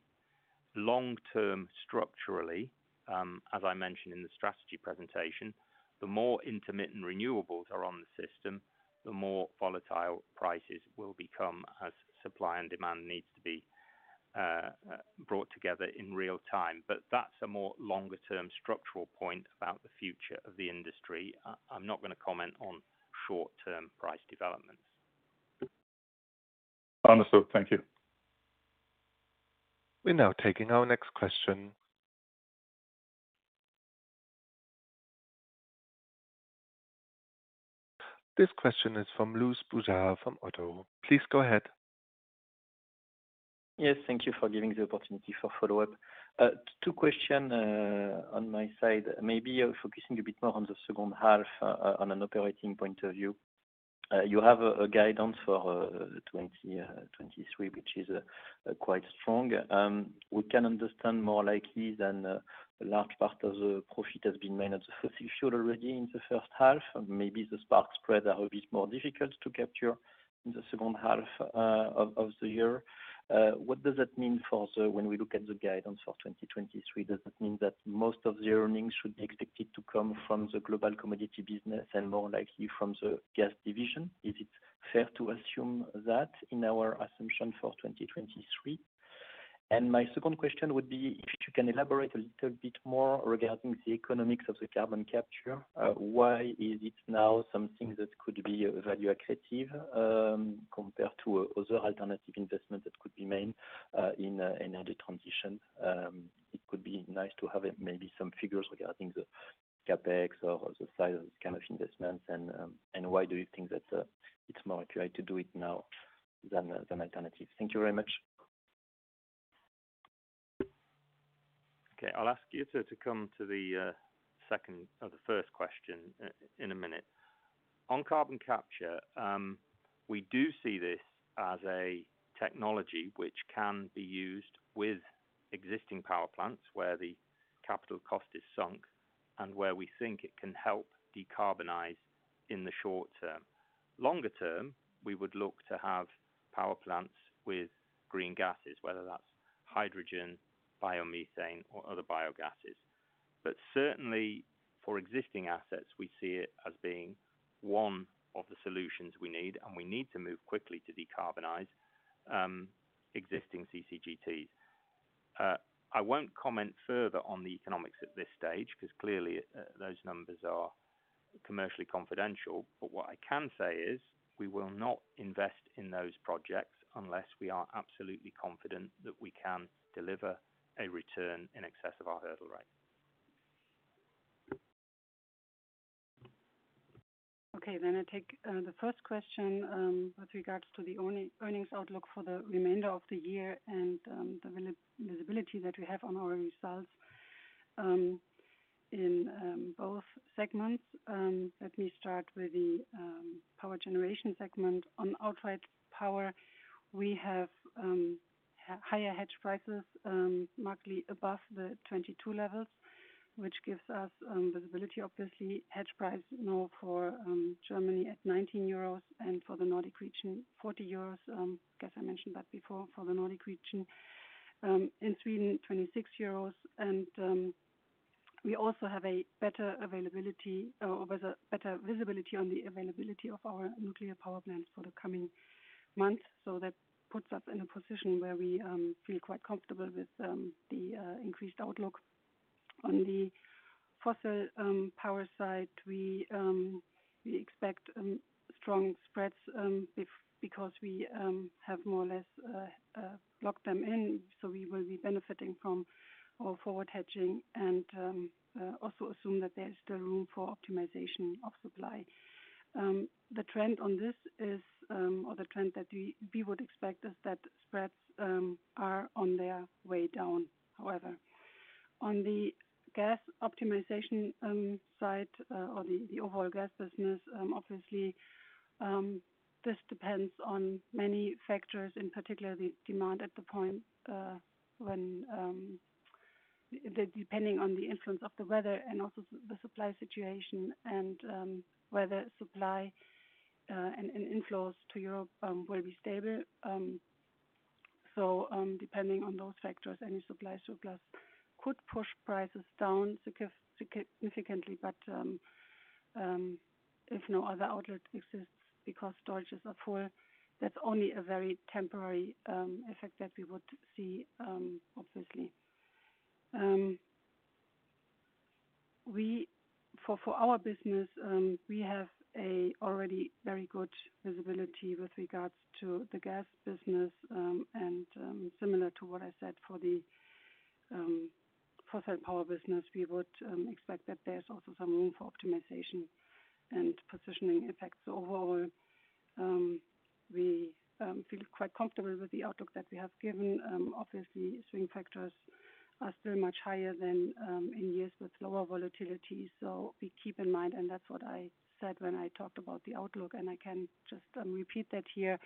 long-term, structurally, as I mentioned in the strategy presentation, the more intermittent renewables are on the system, the more volatile prices will become as supply and demand needs to be brought together in real time. That's a more longer-term structural point about the future of the industry. I'm not going to comment on short-term price developments. Understood. Thank you. We're now taking our next question. This question is from Louis Boujard from Oddo. Please go ahead. Yes, thank you for giving the opportunity for follow-up. Two questions on my side, maybe focusing a bit more on the second half, on an operating point of view. You have a guidance for 2023, which is quite strong. We can understand more likely than a large part of the profit has been made at the fuel already in the first half, and maybe the spark spreads are a bit more difficult to capture in the second half of the year. What does that mean for the... When we look at the guidance for 2023, does that mean that most of the earnings should be expected to come from the global commodity business and more likely from the gas division? Is it fair to assume that in our assumption for 2023? My second question would be, if you can elaborate a little bit more regarding the economics of the carbon capture, why is it now something that could be value accretive compared to other alternative investment that could be made in a transition? It could be nice to have maybe some figures regarding the CapEx or the size of investments and why do you think that it's more accurate to do it now than alternative? Thank you very much. Okay, I'll ask you to, to come to the second or the first question in a minute. On carbon capture, we do see this as a technology which can be used with existing power plants, where the capital cost is sunk and where we think it can help decarbonize in the short term. Longer term, we would look to have power plants with green gases, whether that's hydrogen, biomethane, or other biogases. But certainly, for existing assets, we see it as being one of the solutions we need, and we need to move quickly to decarbonize existing CCGTs. I won't comment further on the economics at this stage, 'cause clearly, those numbers are commercially confidential. But what I can say is, we will not invest in those projects unless we are absolutely confident that we can deliver a return in excess of our hurdle rate. I take the first question with regards to the earnings outlook for the remainder of the year and the visibility that we have on our results in both segments. Let me start with the power generation segment. On outright power, we have higher hedge prices, markedly above the 2022 levels, which gives us visibility. Obviously, hedge price now for Germany at 19 euros and for the Nordic region, 40 euros. I guess I mentioned that before, for the Nordic region. In Sweden, 26 euros. We also have a better availability, or better, better visibility on the availability of our nuclear power plants for the coming months. That puts us in a position where we feel quite comfortable with the increased outlook. On the fossil power side, we expect strong spreads because we have more or less locked them in, so we will be benefiting from our forward hedging and also assume that there's still room for optimization of supply. The trend on this is, or the trend that we would expect is that spreads are on their way down. However, on the gas optimization side, or the overall gas business, obviously, this depends on many factors, in particular, the demand at the point when depending on the influence of the weather and also the supply situation and whether supply and inflows to Europe will be stable. Depending on those factors, any supply surplus could push prices down significantly, but if no other outlet exists because storages are full, that's only a very temporary effect that we would see, obviously. We for, for our business, we have a already very good visibility with regards to the gas business. Similar to what I said for the fossil power business, we would expect that there's also some room for optimization and positioning effects. Overall, we feel quite comfortable with the outlook that we have given. Obviously, swing factors are still much higher than in years with lower volatility. We keep in mind, and that's what I said when I talked about the outlook, and I can just repeat that here.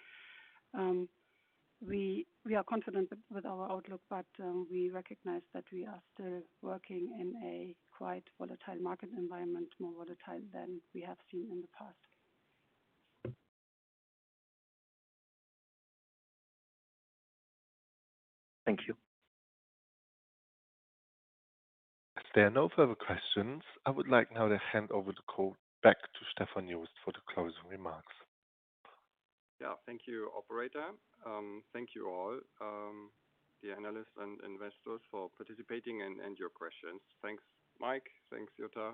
We are confident with our outlook. We recognize that we are still working in a quite volatile market environment, more volatile than we have seen in the past. Thank you. There are no further questions. I would like now to hand over the call back to Stefan Jost for the closing remarks. Yeah. Thank you, operator. Thank you, all, the analysts and investors, for participating and your questions. Thanks, Mike. Thanks, Jutta.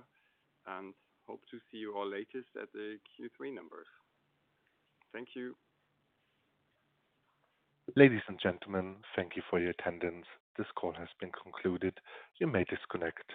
Hope to see you all latest at the Q3 numbers. Thank you. Ladies and gentlemen, thank you for your attendance. This call has been concluded. You may disconnect.